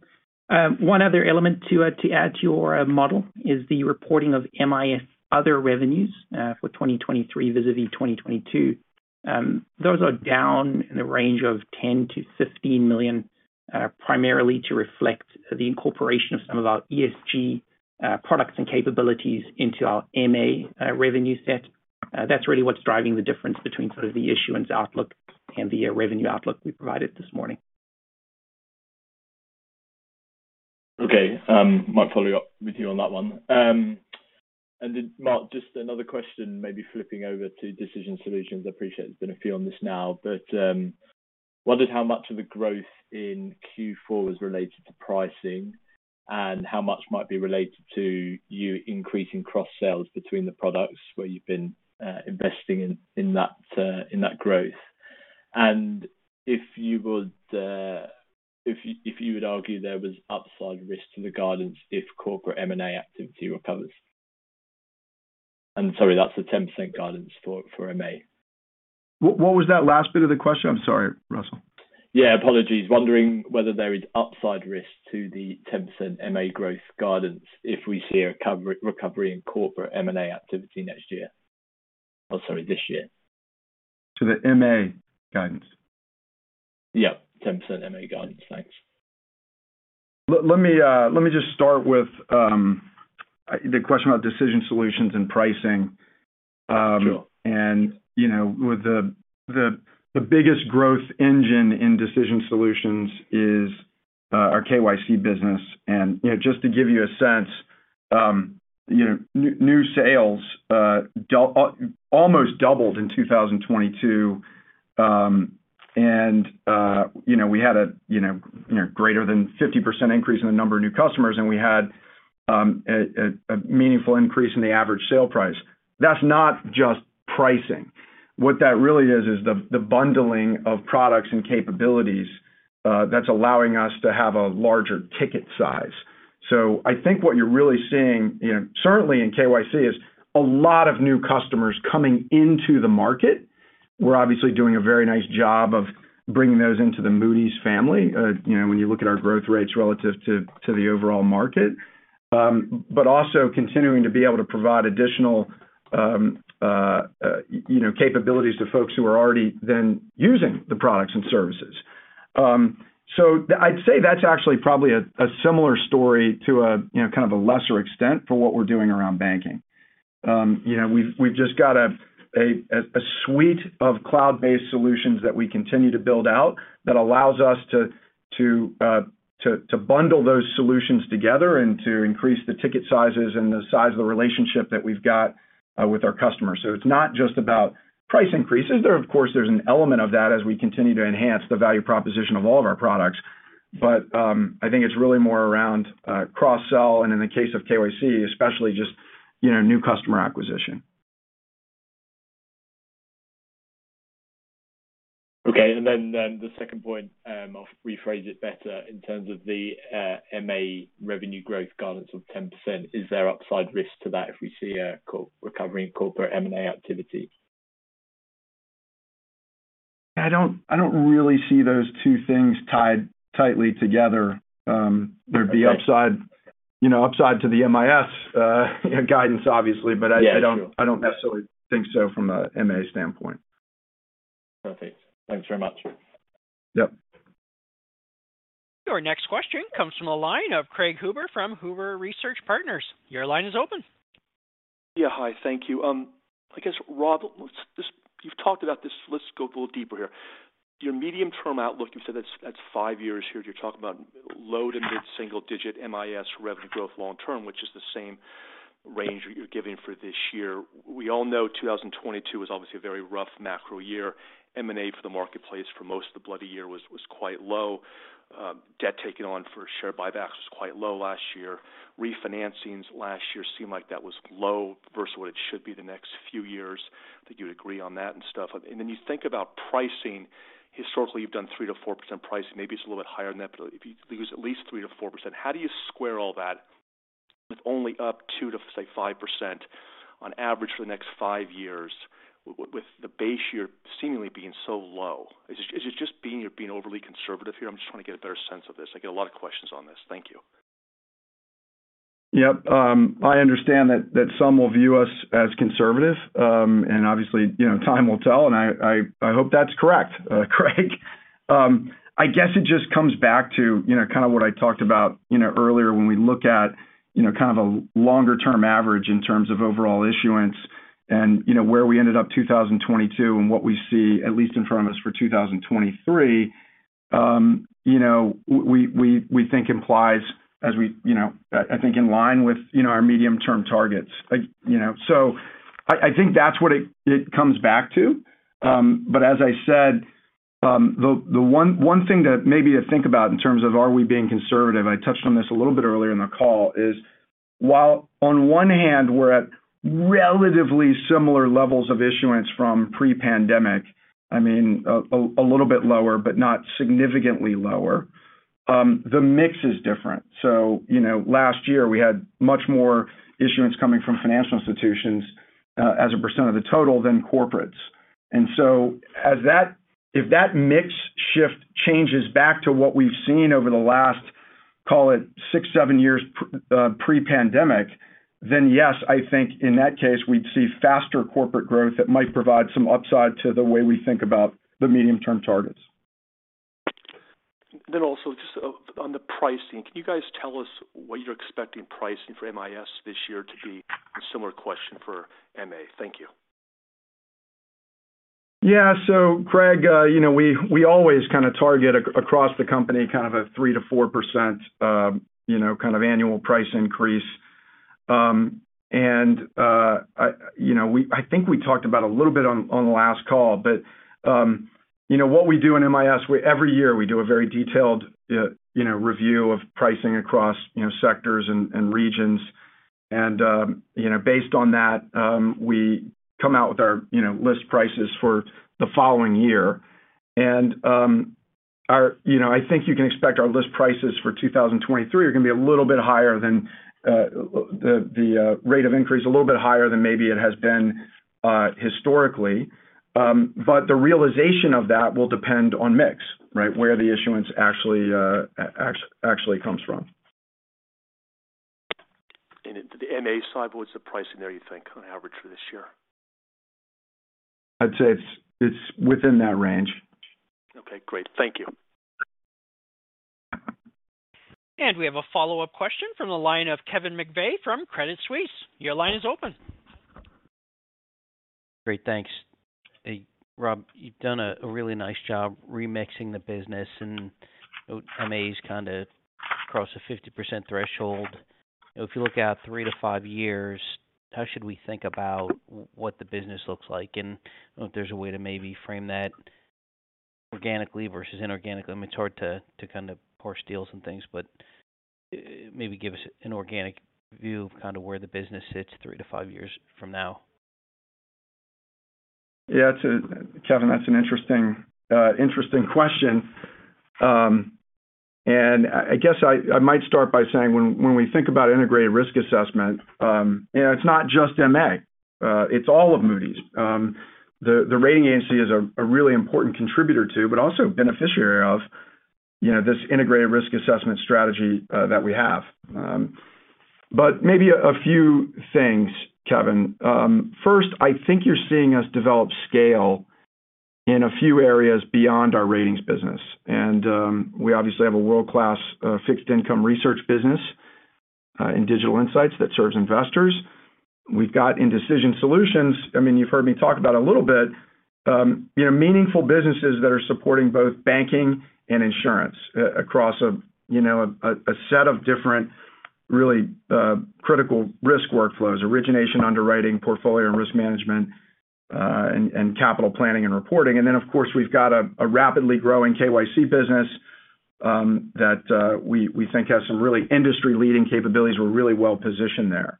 One other element to add to your model is the reporting of MIS other revenues for 2023 vis-a-vis 2022. Those are down in the range of $10 million-$15 million, primarily to reflect the incorporation of some of our ESG products and capabilities into our MA revenue set. That's really what's driving the difference between sort of the issuance outlook and the revenue outlook we provided this morning. Okay. Might follow up with you on that one. Mark, just another question, maybe flipping over to Decision Solutions. I appreciate there's been a few on this now. Wondered how much of the growth in Q4 was related to pricing, and how much might be related to you increasing cross-sales between the products where you've been investing in that growth. If you would argue there was upside risk to the guidance if corporate M&A activity recovers. Sorry, that's the 10% guidance for MA. What was that last bit of the question? I'm sorry, Russell. Yeah. Apologies. Wondering whether there is upside risk to the 10% M&A growth guidance if we see a recovery in corporate M&A activity next year, sorry, this year? To the MA guidance? Yeah, 10% MA guidance. Thanks. Let me just start with the question about Decision Solutions and pricing. Sure. You know, with the biggest growth engine in Decision Solutions is our KYC business. You know, just to give you a sense, you know, new sales almost doubled in 2022. You know, we had a, you know, greater than 50% increase in the number of new customers, and we had a meaningful increase in the average sale price. That's not just pricing. What that really is the bundling of products and capabilities that's allowing us to have a larger ticket size. I think what you're really seeing, you know, certainly in KYC, is a lot of new customers coming into the market. We're obviously doing a very nice job of bringing those into the Moody's family, you know, when you look at our growth rates relative to the overall market. But also continuing to be able to provide additional, you know, capabilities to folks who are already then using the products and services. I'd say that's actually probably a similar story to you know, kind of a lesser extent for what we're doing around banking. You know, we've just got a suite of cloud-based solutions that we continue to build out that allows us to bundle those solutions together and to increase the ticket sizes and the size of the relationship that we've got with our customers. It's not just about price increases. Of course, there's an element of that as we continue to enhance the value proposition of all of our products. I think it's really more around cross-sell, and in the case of KYC, especially just, you know, new customer acquisition. Okay. The second point, I'll rephrase it better in terms of the MA revenue growth guidance of 10%, is there upside risk to that if we see a recovery in corporate M&A activity? I don't really see those two things tied tightly together. Okay. Upside, you know, upside to the MIS, guidance obviously. Yeah, sure. I don't necessarily think so from a MA standpoint. Perfect. Thanks very much. Yep. Our next question comes from the line of Craig Huber from Huber Research Partners. Your line is open. Yeah. Hi. Thank you. I guess, Rob, you've talked about this, let's go a little deeper here. Your medium-term outlook, you said that's five years here. You're talking about low to mid-single digit MIS revenue growth long term, which is the same range you're giving for this year. We all know 2022 was obviously a very rough macro year. M&A for the marketplace for most of the bloody year was quite low. Debt taken on for share buybacks was quite low last year. Refinancings last year seemed like that was low versus what it should be the next few years. I think you'd agree on that and stuff. You think about pricing. Historically, you've done 3%-4% pricing. Maybe it's a little bit higher than that, if you lose at least 3%-4%, how do you square all that with only up 2%-5% on average for the next five years with the base year seemingly being so low? Is it just being, you're being overly conservative here? I'm just trying to get a better sense of this. I get a lot of questions on this. Thank you. Yep. I understand that some will view us as conservative. Obviously, you know, time will tell, and I hope that's correct, Craig. I guess it just comes back to, you know, kind of what I talked about, you know, earlier when we look at, you know, kind of a longer-term average in terms of overall issuance and, you know, where we ended up 2022 and what we see at least in front of us for 2023, you know, we think implies, you know, I think in line with, you know, our medium-term targets. Like, you know? I think that's what it comes back to. As I said, one thing that maybe to think about in terms of are we being conservative, I touched on this a little bit earlier in the call, is while on one hand we're at relatively similar levels of issuance from pre-pandemic, I mean, a little bit lower, but not significantly lower, the mix is different. You know, last year we had much more issuance coming from financial institutions, as a percent of the total than corporates. If that mix shift changes back to what we've seen over the last, call it six, seven years pre-pandemic, yes, I think in that case we'd see faster corporate growth that might provide some upside to the way we think about the medium-term targets. Also just on the pricing, can you guys tell us what you're expecting pricing for MIS this year to be? A similar question for MA. Thank you. Yeah. Craig, you know we always kind of target across the company kind of a 3%-4%, you know, kind of annual price increase. I, you know, I think we talked about a little bit on the last call. You know, what we do in MIS, every year, we do a very detailed, you know, review of pricing across, you know, sectors and regions. You know, based on that, we come out with our, you know, list prices for the following year. You know, I think you can expect our list prices for 2023 are gonna be a little bit higher than, the, rate of increase, a little bit higher than maybe it has been, historically. The realization of that will depend on mix, right? Where the issuance actually comes from. At the M&A side, what's the pricing there, you think, on average for this year? I'd say it's within that range. Okay, great. Thank you. We have a follow-up question from the line of Kevin McVeigh from Credit Suisse. Your line is open. Great. Thanks. Hey, Rob, you've done a really nice job remixing the business, and MA's kind of crossed the 50% threshold. If you look out three to five years, how should we think about what the business looks like? If there's a way to maybe frame that organically versus inorganically. I mean, it's hard to kind of parse deals and things, but maybe give us an organic view of kind of where the business sits three to five years from now. Kevin, that's an interesting question. I guess I might start by saying when we think about integrated risk assessment, you know, it's not just MA, it's all of Moody's. The rating agency is a really important contributor to, but also beneficiary of, you know, this integrated risk assessment strategy that we have. Maybe a few things, Kevin. First, I think you're seeing us develop scale in a few areas beyond our ratings business. We obviously have a world-class fixed income research business in Digital Insights that serves investors. We've got in Decision Solutions, I mean, you've heard me talk about a little bit, you know, meaningful businesses that are supporting both banking and insurance across, you know, a set of different really critical risk workflows: origination, underwriting, portfolio and risk management, and capital planning and reporting. Then, of course, we've got a rapidly growing KYC business that we think has some really industry-leading capabilities. We're really well-positioned there.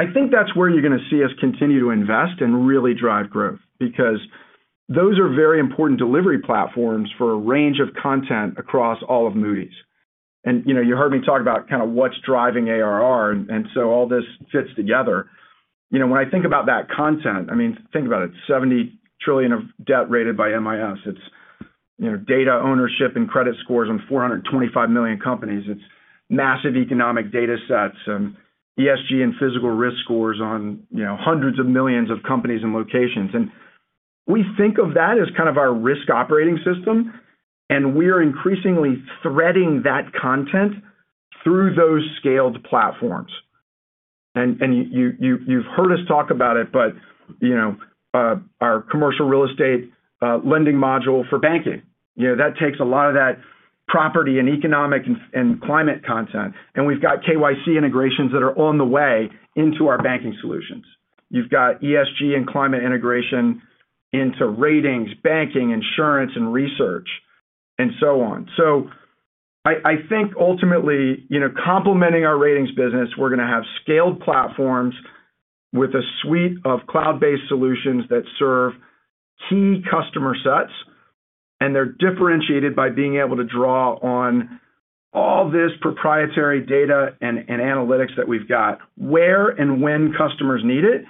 I think that's where you're gonna see us continue to invest and really drive growth because those are very important delivery platforms for a range of content across all of Moody's. You know, you heard me talk about kind of what's driving ARR, so all this fits together. You know, when I think about that content, I mean, think about it, $70 trillion of debt rated by MIS. It's, you know, data ownership and credit scores on 425 million companies. It's massive economic data sets and ESG and physical risk scores on, you know, hundreds of millions of companies and locations. We think of that as kind of our risk operating system, and we're increasingly threading that content through those scaled platforms. You've heard us talk about it, but, you know, our commercial real estate lending module for banking. You know, that takes a lot of that property and economic and climate content, and we've got KYC integrations that are on the way into our banking solutions. You've got ESG and climate integration into ratings, banking, insurance, and research, and so on. I think ultimately, you know, complementing our ratings business, we're gonna have scaled platforms with a suite of cloud-based solutions that serve key customer sets, and they're differentiated by being able to draw on all this proprietary data and analytics that we've got, where and when customers need it,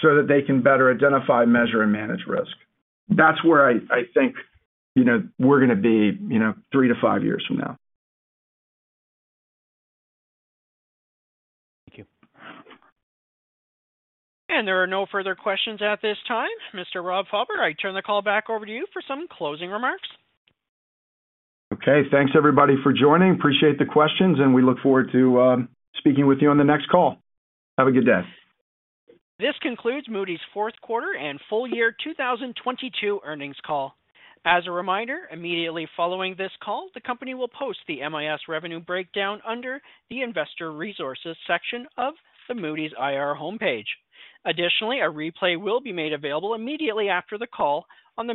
so that they can better identify, measure, and manage risk. That's where I think, you know, we're gonna be, you know, three to five years from now. Thank you. There are no further questions at this time. Mr. Rob Fauber, I turn the call back over to you for some closing remarks. Okay. Thanks everybody for joining. Appreciate the questions. We look forward to speaking with you on the next call. Have a good day. This concludes Moody's fourth quarter and full year 2022 earnings call. As a reminder, immediately following this call, the company will post the MIS revenue breakdown under the Investor Resources section of the Moody's IR homepage. Additionally, a replay will be made available immediately after the call on the Moody's